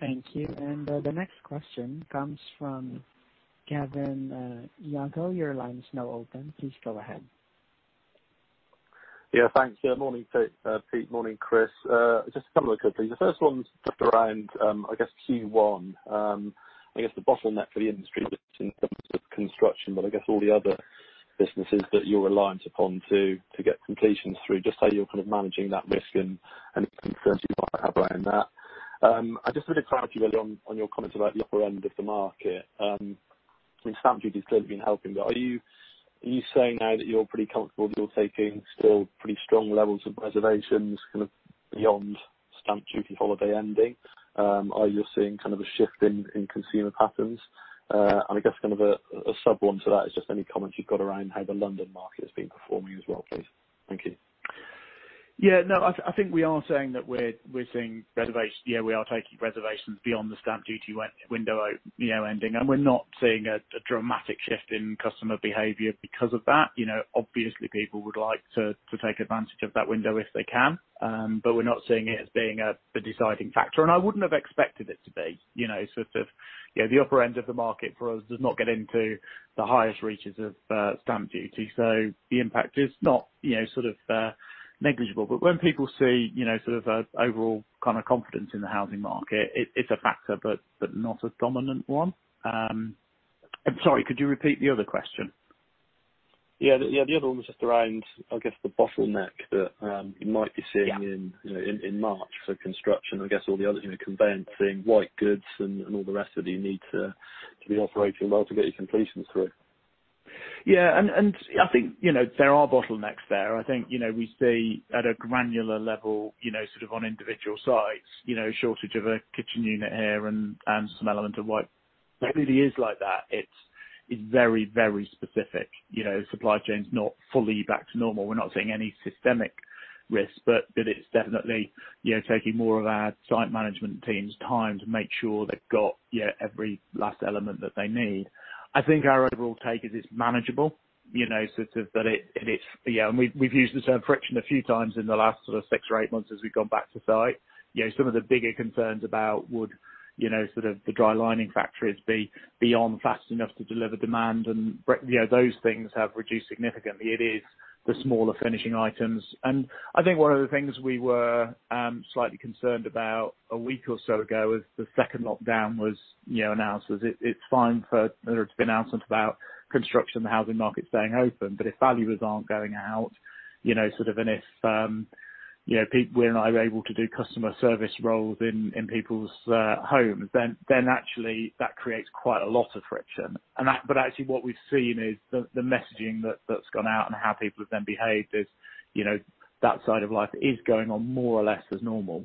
Thank you. The next question comes from Gavin Jago. Your line is now open. Please go ahead. Yeah. Thanks. Morning, Pete. Morning, Chris. Just a couple of quick things. The first one's just around, I guess Q1. I guess the bottleneck for the industry was in terms of construction, but I guess all the other businesses that you're reliant upon to get completions through, just how you're kind of managing that risk and any concerns you might have around that. I just wanted to clarify with you a little on your comments about the upper end of the market. Stamp duty has clearly been helping, but are you saying now that you're pretty comfortable that you're taking still pretty strong levels of reservations kind of beyond stamp duty holiday ending? Are you seeing kind of a shift in consumer patterns? I guess kind of a sub one to that is just any comments you've got around how the London market has been performing as well, please. Thank you. I think we are saying that we are taking reservations beyond the stamp duty window ending, and we're not seeing a dramatic shift in customer behavior because of that. Obviously, people would like to take advantage of that window if they can. We're not seeing it as being the deciding factor, and I wouldn't have expected it to be. The upper end of the market for us does not get into the highest reaches of stamp duty. The impact is not negligible. When people see an overall confidence in the housing market, it's a factor, but not a dominant one. I'm sorry, could you repeat the other question? Yeah. The other one was just around, I guess the bottleneck that you might be seeing- Yeah in March for construction, I guess all the other conveyancing, white goods, and all the rest of it you need to be operating well to get your completions through. Yeah. I think there are bottlenecks there. I think we see at a granular level on individual sites, shortage of a kitchen unit here and some element of white. It really is like that. It's very, very specific. Supply chain is not fully back to normal. We're not seeing any systemic risk, but it is definitely taking more of our site management team's time to make sure they've got every last element that they need. I think our overall take is it's manageable. We've used the term friction a few times in the last sort of six or eight months as we've gone back to site. Some of the bigger concerns about would the dry lining factories be on fast enough to deliver demand, and those things have reduced significantly. It is the smaller finishing items. I think one of the things we were slightly concerned about a week or so ago as the second lockdown was announced, was it's fine for there to have been announcements about construction and the housing market staying open, but if valuers aren't going out, and if we're not able to do customer service roles in people's homes, then actually that creates quite a lot of friction. Actually what we've seen is the messaging that's gone out and how people have then behaved is that side of life is going on more or less as normal.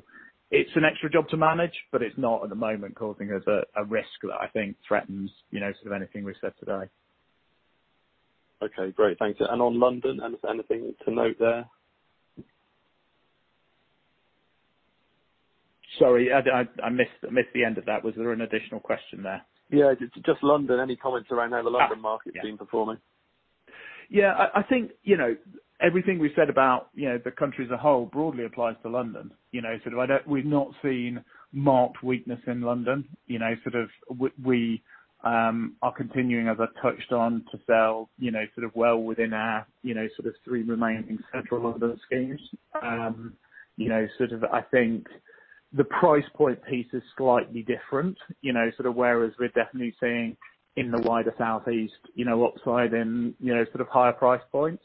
It's an extra job to manage, but it's not at the moment causing a risk that I think threatens anything we've said today. Okay, great. Thank you. On London, anything to note there? Sorry, I missed the end of that. Was there an additional question there? Yeah. Just London. Any comments around how the London market has been performing? Yeah. I think everything we said about the country as a whole broadly applies to London. We've not seen marked weakness in London. We are continuing, as I touched on, to sell well within our three remaining central London schemes. I think the price point piece is slightly different, whereas we're definitely seeing in the wider Southeast upside in higher price points.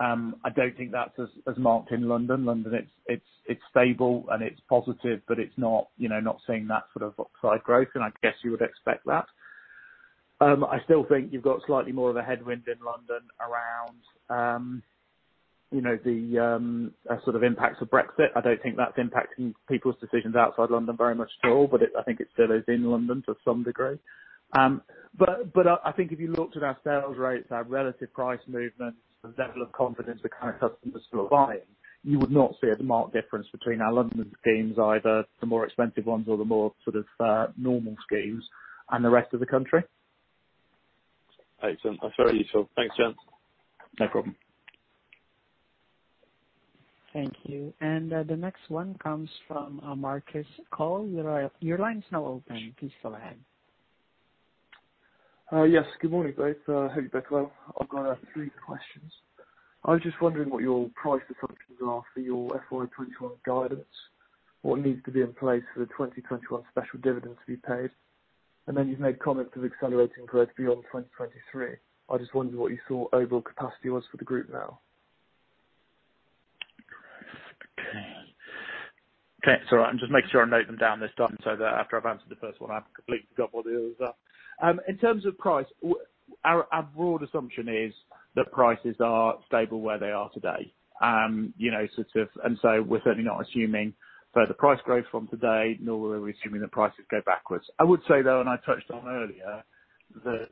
I don't think that's as marked in London. London, it's stable and it's positive, but it's not seeing that sort of upside growth, and I guess you would expect that. I still think you've got slightly more of a headwind in London around the impact of Brexit. I don't think that's impacting people's decisions outside London very much at all, but I think it still is in London to some degree. I think if you looked at our sales rates, our relative price movements, the level of confidence, the kind of customers still buying, you would not see a marked difference between our London schemes, either the more expensive ones or the more normal schemes and the rest of the country. Excellent. That's very useful. Thanks, gents. No problem. Thank you. The next one comes from Marcus Cole. Your line is now open. Please go ahead. Yes, good morning, guys. Hope you're both well. I've got three questions. I was just wondering what your price assumptions are for your FY 2021 guidance. What needs to be in place for the 2021 special dividend to be paid? You've made comments of accelerating growth beyond 2023. I just wondered what you saw overall capacity was for the group now. Okay. All right. I'm just making sure I note them down this time, so that after I've answered the first one, I've completely forgot what the others are. In terms of price, our broad assumption is that prices are stable where they are today. We're certainly not assuming further price growth from today, nor are we assuming that prices go backwards. I would say, though, and I touched on earlier, that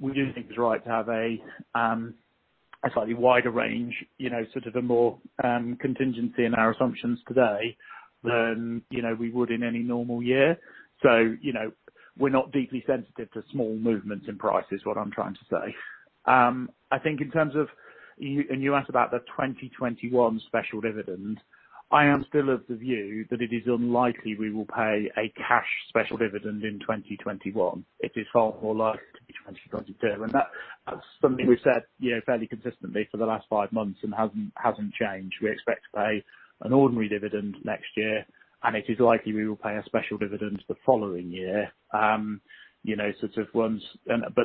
we do think it's right to have a slightly wider range, sort of a more contingency in our assumptions today than we would in any normal year. We're not deeply sensitive to small movements in prices, what I'm trying to say. You asked about the 2021 special dividend. I am still of the view that it is unlikely we will pay a cash special dividend in 2021. It is far more likely to be 2022. That's something we've said fairly consistently for the last five months and hasn't changed. We expect to pay an ordinary dividend next year, and it is likely we will pay a special dividend the following year.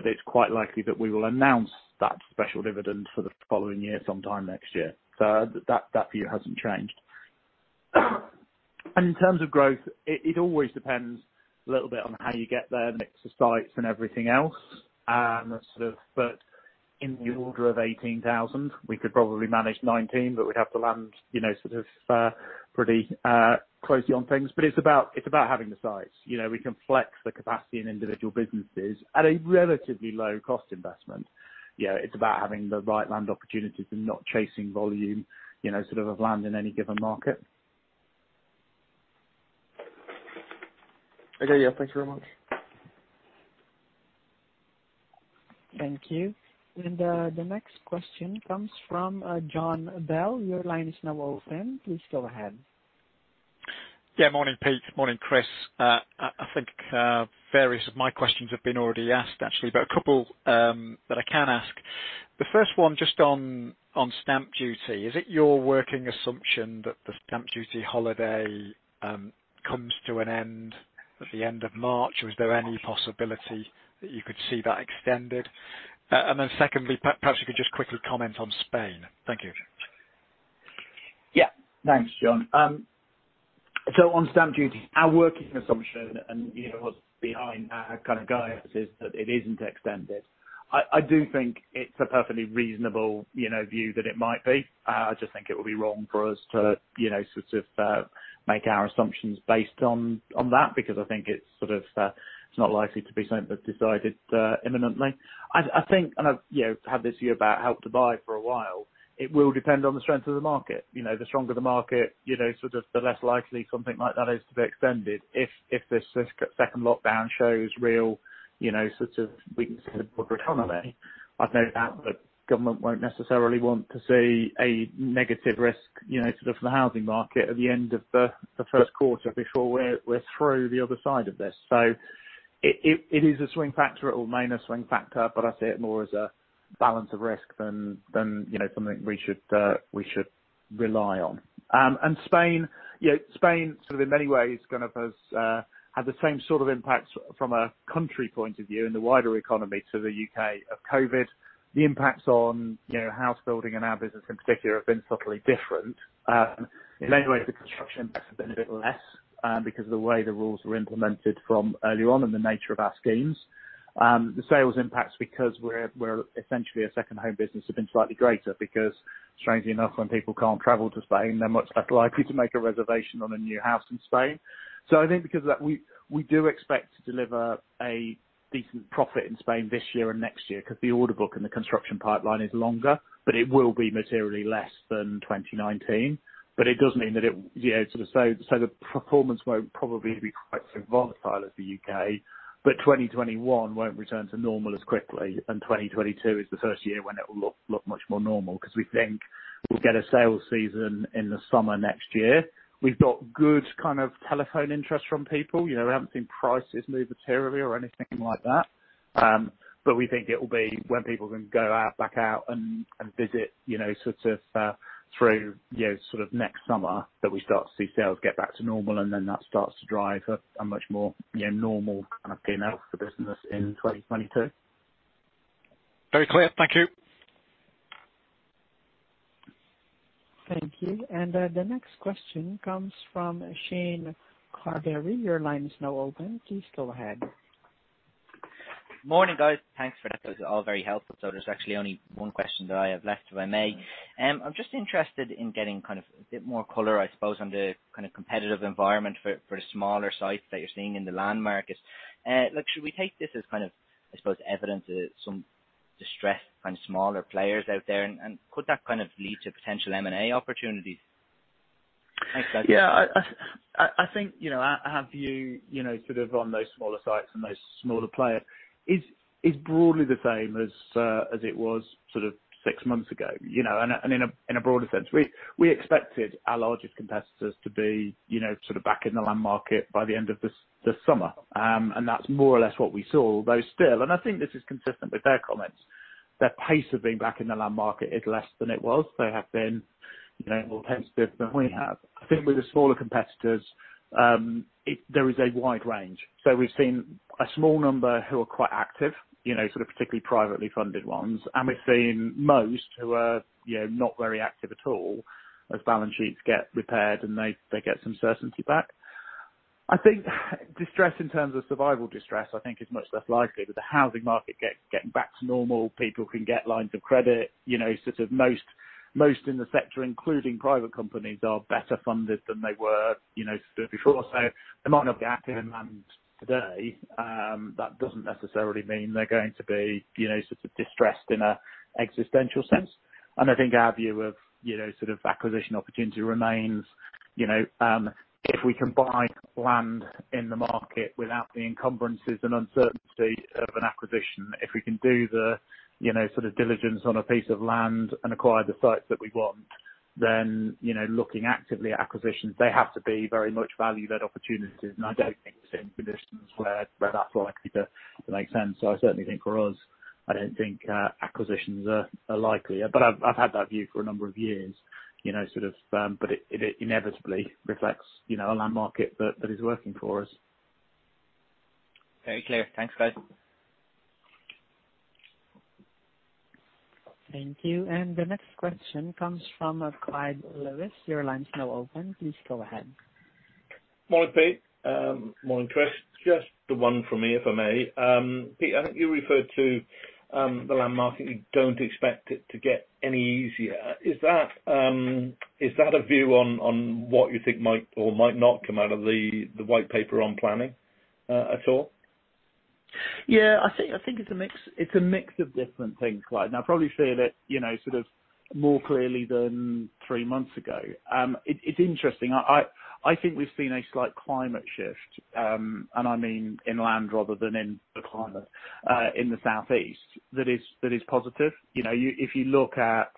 It's quite likely that we will announce that special dividend for the following year, sometime next year. That view hasn't changed. In terms of growth, it always depends a little bit on how you get there, mix of sites and everything else, but in the order of 18,000. We could probably manage 19, but we'd have to land pretty closely on things. It's about having the sites. We can flex the capacity in individual businesses at a relatively low cost investment. It's about having the right land opportunities and not chasing volume of land in any given market. Okay. Yeah. Thanks very much. Thank you. The next question comes from Jon Bell. Your line is now open. Please go ahead. Yeah. Morning, Pete. Morning, Chris. I think various of my questions have been already asked, actually, but a couple that I can ask. The first one just on stamp duty. Is it your working assumption that the stamp duty holiday comes to an end at the end of March? Is there any possibility that you could see that extended? Secondly, perhaps you could just quickly comment on Spain. Thank you. Yeah. Thanks, Jon. On stamp duty, our working assumption and what's behind our kind of guidance is that it isn't extended. I do think it's a perfectly reasonable view that it might be. I just think it would be wrong for us to make our assumptions based on that, because I think it's not likely to be something that's decided imminently. I think, and I've had this view about Help to Buy for a while, it will depend on the strength of the market. The stronger the market, the less likely something like that is to be extended if this second lockdown shows real weakness in the broader economy. I'd note that the government won't necessarily want to see a negative risk for the housing market at the end of the first quarter before we're through the other side of this. It is a swing factor. It will remain a swing factor. I see it more as a balance of risk than something we should rely on. Spain in many ways has had the same sort of impacts from a country point of view and the wider economy to the U.K. of COVID. The impacts on house building and our business in particular have been subtly different. In many ways, the construction impact has been a bit less because of the way the rules were implemented from early on and the nature of our schemes. The sales impacts, because we're essentially a second home business, have been slightly greater because strangely enough, when people can't travel to Spain, they're much less likely to make a reservation on a new house in Spain. I think because of that, we do expect to deliver a decent profit in Spain this year and next year because the order book and the construction pipeline is longer, but it will be materially less than 2019. It does mean that the performance won't probably be quite so volatile as the U.K., but 2021 won't return to normal as quickly, and 2022 is the first year when it will look much more normal because we think we'll get a sales season in the summer next year. We've got good telephone interest from people. We haven't seen prices move materially or anything like that. We think it will be when people can go back out and visit through next summer that we start to see sales get back to normal, and then that starts to drive a much more normal P&L for business in 2022. Very clear. Thank you. Thank you. The next question comes from Shane Carberry. Your line is now open. Please go ahead. Morning, guys. Thanks for that. That was all very helpful. There's actually only one question that I have left, if I may. I'm just interested in getting a bit more color, I suppose, on the competitive environment for the smaller sites that you're seeing in the land markets. Should we take this as, I suppose, evidence of some distressed smaller players out there, and could that lead to potential M&A opportunities? Thanks, guys. Yeah. I think our view on those smaller sites and those smaller players is broadly the same as it was six months ago. In a broader sense, we expected our largest competitors to be back in the land market by the end of this summer. That's more or less what we saw, although still, and I think this is consistent with their comments, their pace of being back in the land market is less than it was. They have been more tentative than we have. I think with the smaller competitors. There is a wide range. We've seen a small number who are quite active, particularly privately funded ones, and we've seen most who are not very active at all as balance sheets get repaired, and they get some certainty back. I think distress in terms of survival distress, I think is much less likely with the housing market getting back to normal, people can get lines of credit. Most in the sector, including private companies, are better funded than they were before. They might not be active in land today. That doesn't necessarily mean they're going to be distressed in an existential sense. I think our view of acquisition opportunity remains. If we can buy land in the market without the encumbrances and uncertainty of an acquisition, if we can do the diligence on a piece of land and acquire the sites that we want, then looking actively at acquisitions, they have to be very much value-led opportunities, and I don't think we're in conditions where that's likely to make sense. I certainly think for us, I don't think acquisitions are likely. I've had that view for a number of years, but it inevitably reflects a land market that is working for us. Very clear. Thanks, guys. Thank you. The next question comes from Clyde Lewis. Your line's now open. Please go ahead. Morning, Pete. Morning, Chris. Just the one from me, if I may. Pete, I think you referred to the land market. You don't expect it to get any easier. Is that a view on what you think might or might not come out of the white paper on planning at all? Yeah. I think it's a mix of different things, Clyde. Now, I probably see that more clearly than three months ago. It's interesting. I think we've seen a slight climate shift. I mean in land rather than in the climate, in the Southeast that is positive. If you look at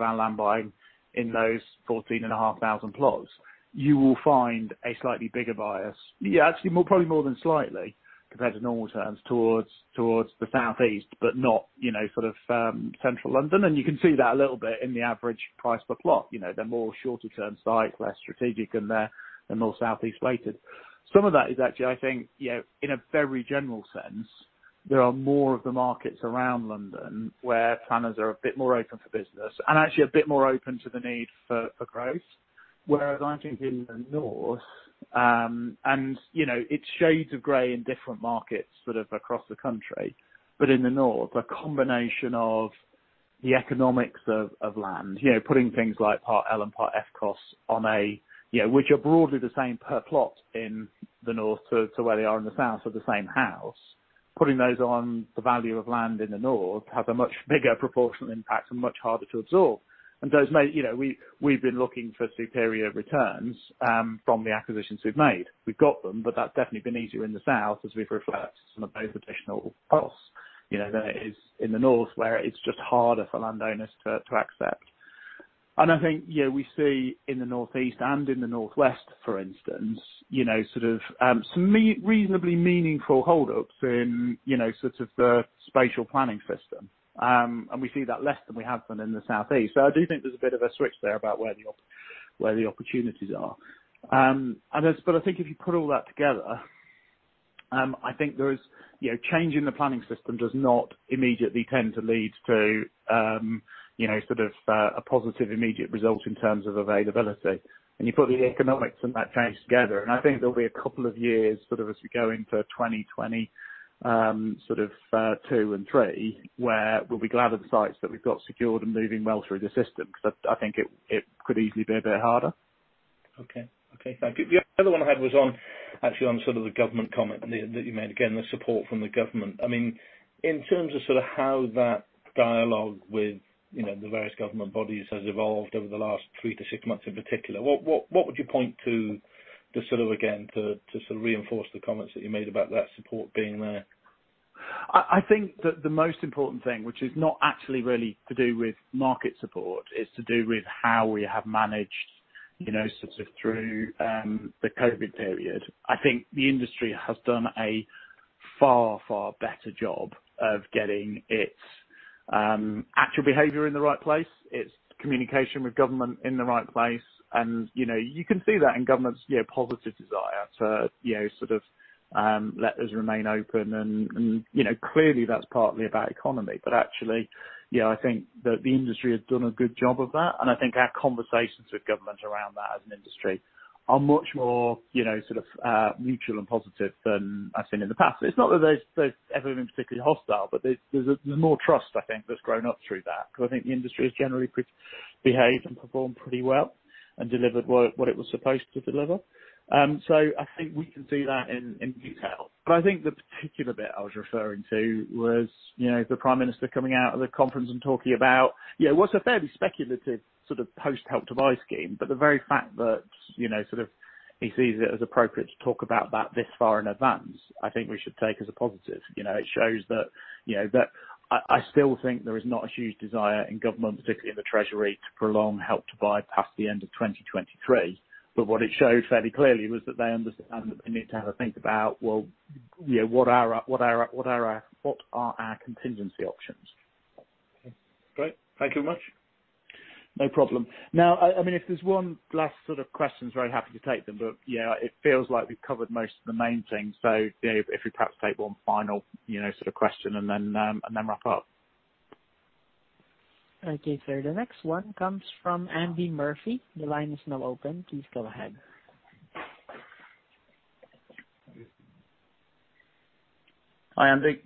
our land buying in those 14,500 plots, you will find a slightly bigger bias. Yeah, actually, probably more than slightly compared to normal terms towards the Southeast, but not Central London. You can see that a little bit in the average price per plot. They're more shorter-term sites, less strategic, and they're more Southeast weighted. Some of that is actually, I think, in a very general sense, there are more of the markets around London where planners are a bit more open for business and actually a bit more open to the need for growth. I think in the North, and it's shades of gray in different markets across the country, but in the North, a combination of the economics of land, putting things like Part L and Part F costs, which are broadly the same per plot in the North to where they are in the South for the same house. Putting those on the value of land in the North has a much bigger proportional impact and much harder to absorb. We've been looking for superior returns from the acquisitions we've made. We've got them, but that's definitely been easier in the South as we've reflected some of those additional costs than it is in the North where it's just harder for landowners to accept. I think we see in the Northeast and in the Northwest, for instance, some reasonably meaningful hold-ups in the spatial planning system, and we see that less than we have done in the Southeast. I do think there's a bit of a switch there about where the opportunities are. I think if you put all that together, I think change in the planning system does not immediately tend to lead to a positive immediate result in terms of availability. You put the economics and that change together, and I think there'll be a couple of years as we go into 2022 and 2023 where we'll be glad of the sites that we've got secured and moving well through the system because I think it could easily be a bit harder. Okay. Thank you. The other one I had was actually on the government comment that you made. Again, the support from the government. In terms of how that dialogue with the various government bodies has evolved over the last 3-6 months in particular, what would you point to, again, to reinforce the comments that you made about that support being there? I think that the most important thing, which is not actually really to do with market support, is to do with how we have managed through the COVID period. I think the industry has done a far, far better job of getting its actual behavior in the right place, its communication with government in the right place. You can see that in government's positive desire to let us remain open. Clearly that's partly about economy. Actually, I think that the industry has done a good job of that. I think our conversations with government around that as an industry are much more mutual and positive than I've seen in the past. It's not that they've ever been particularly hostile, but there's more trust I think that's grown up through that because I think the industry has generally behaved and performed pretty well and delivered what it was supposed to deliver. I think we can see that in detail. I think the particular bit I was referring to was the Prime Minister coming out at the conference and talking about what's a fairly speculative post Help to Buy scheme. The very fact that he sees it as appropriate to talk about that this far in advance, I think we should take as a positive. I still think there is not a huge desire in government, particularly in the Treasury, to prolong Help to Buy past the end of 2023. What it showed fairly clearly was that they need to have a think about, well, what are our contingency options? Okay. Great. Thank you very much. No problem. If there's one last sort of question, very happy to take them. Yeah, it feels like we've covered most of the main things. Dave, if we perhaps take one final sort of question and then wrap up. Okay, sir. The next one comes from Andy Murphy. Your line is now open. Please go ahead. Hi, Andy.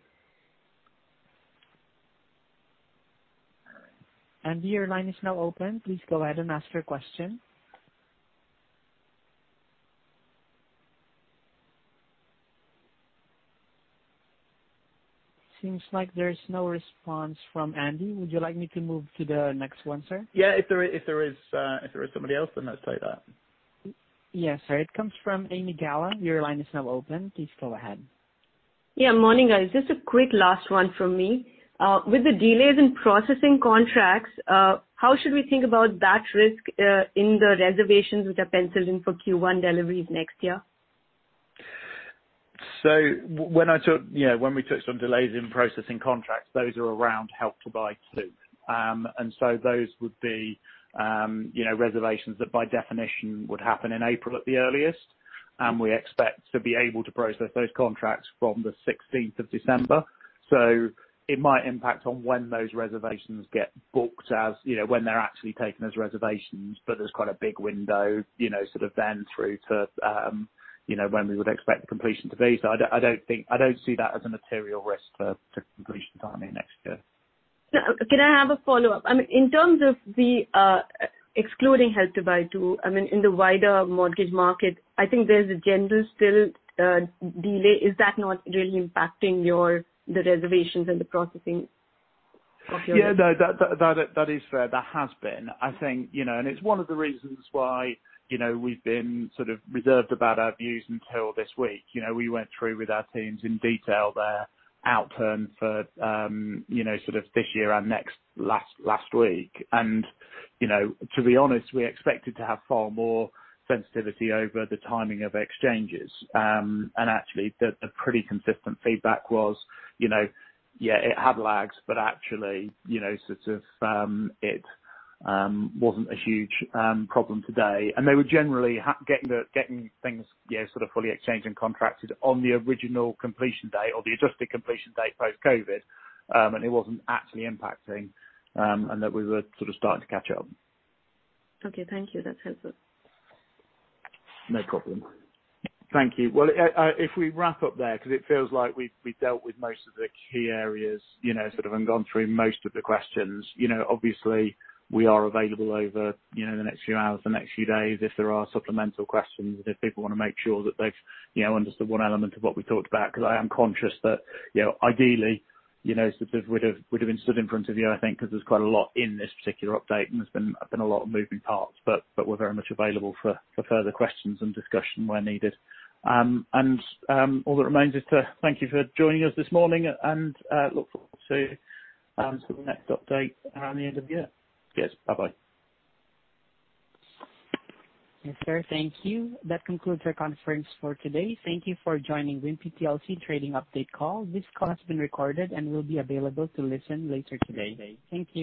Andy, your line is now open. Please go ahead and ask your question. Seems like there's no response from Andy. Would you like me to move to the next one, sir? Yeah, if there is somebody else, then let's take that. Yes, sir. It comes from Ami Galla. Your line is now open. Please go ahead. Yeah, Morning, guys. Just a quick last one from me. With the delays in processing contracts, how should we think about that risk in the reservations which are penciled in for Q1 deliveries next year? When we touched on delays in processing contracts, those are around Help to Buy 2. Those would be reservations that by definition would happen in April at the earliest. We expect to be able to process those contracts from the 16th of December. It might impact on when those reservations get booked as when they're actually taken as reservations. There's quite a big window sort of then through to when we would expect the completion to be. I don't see that as a material risk to completion timing next year. Can I have a follow-up? In terms of excluding Help to Buy 2, in the wider mortgage market, I think there's a general still delay. Is that not really impacting the reservations and the processing of your? Yeah. That is fair. That has been. It's one of the reasons why we've been sort of reserved about our views until this week. We went through with our teams in detail their outturn for sort of this year and next, last week. To be honest, we expected to have far more sensitivity over the timing of exchanges. Actually, the pretty consistent feedback was, yeah, it had lags, but actually sort of it wasn't a huge problem today. They were generally getting things sort of fully exchanged and contracted on the original completion date or the adjusted completion date post-COVID. It wasn't actually impacting, and that we were sort of starting to catch up. Okay, thank you. That's helpful. No problem. Thank you. Well, if we wrap up there, because it feels like we've dealt with most of the key areas, sort of, and gone through most of the questions. Obviously, we are available over the next few hours, the next few days if there are supplemental questions or if people want to make sure that they've understood one element of what we talked about, because I am conscious that ideally sort of we'd have been stood in front of you, I think, because there's quite a lot in this particular update, and there's been a lot of moving parts. We're very much available for further questions and discussion where needed. All that remains is to thank you for joining us this morning and look forward to the next update around the end of the year. Cheers. Bye-bye. Yes, sir. Thank you. That concludes our conference for today. Thank you for joining Wimpey PLC Trading Update Call. This call has been recorded and will be available to listen later today. Thank you.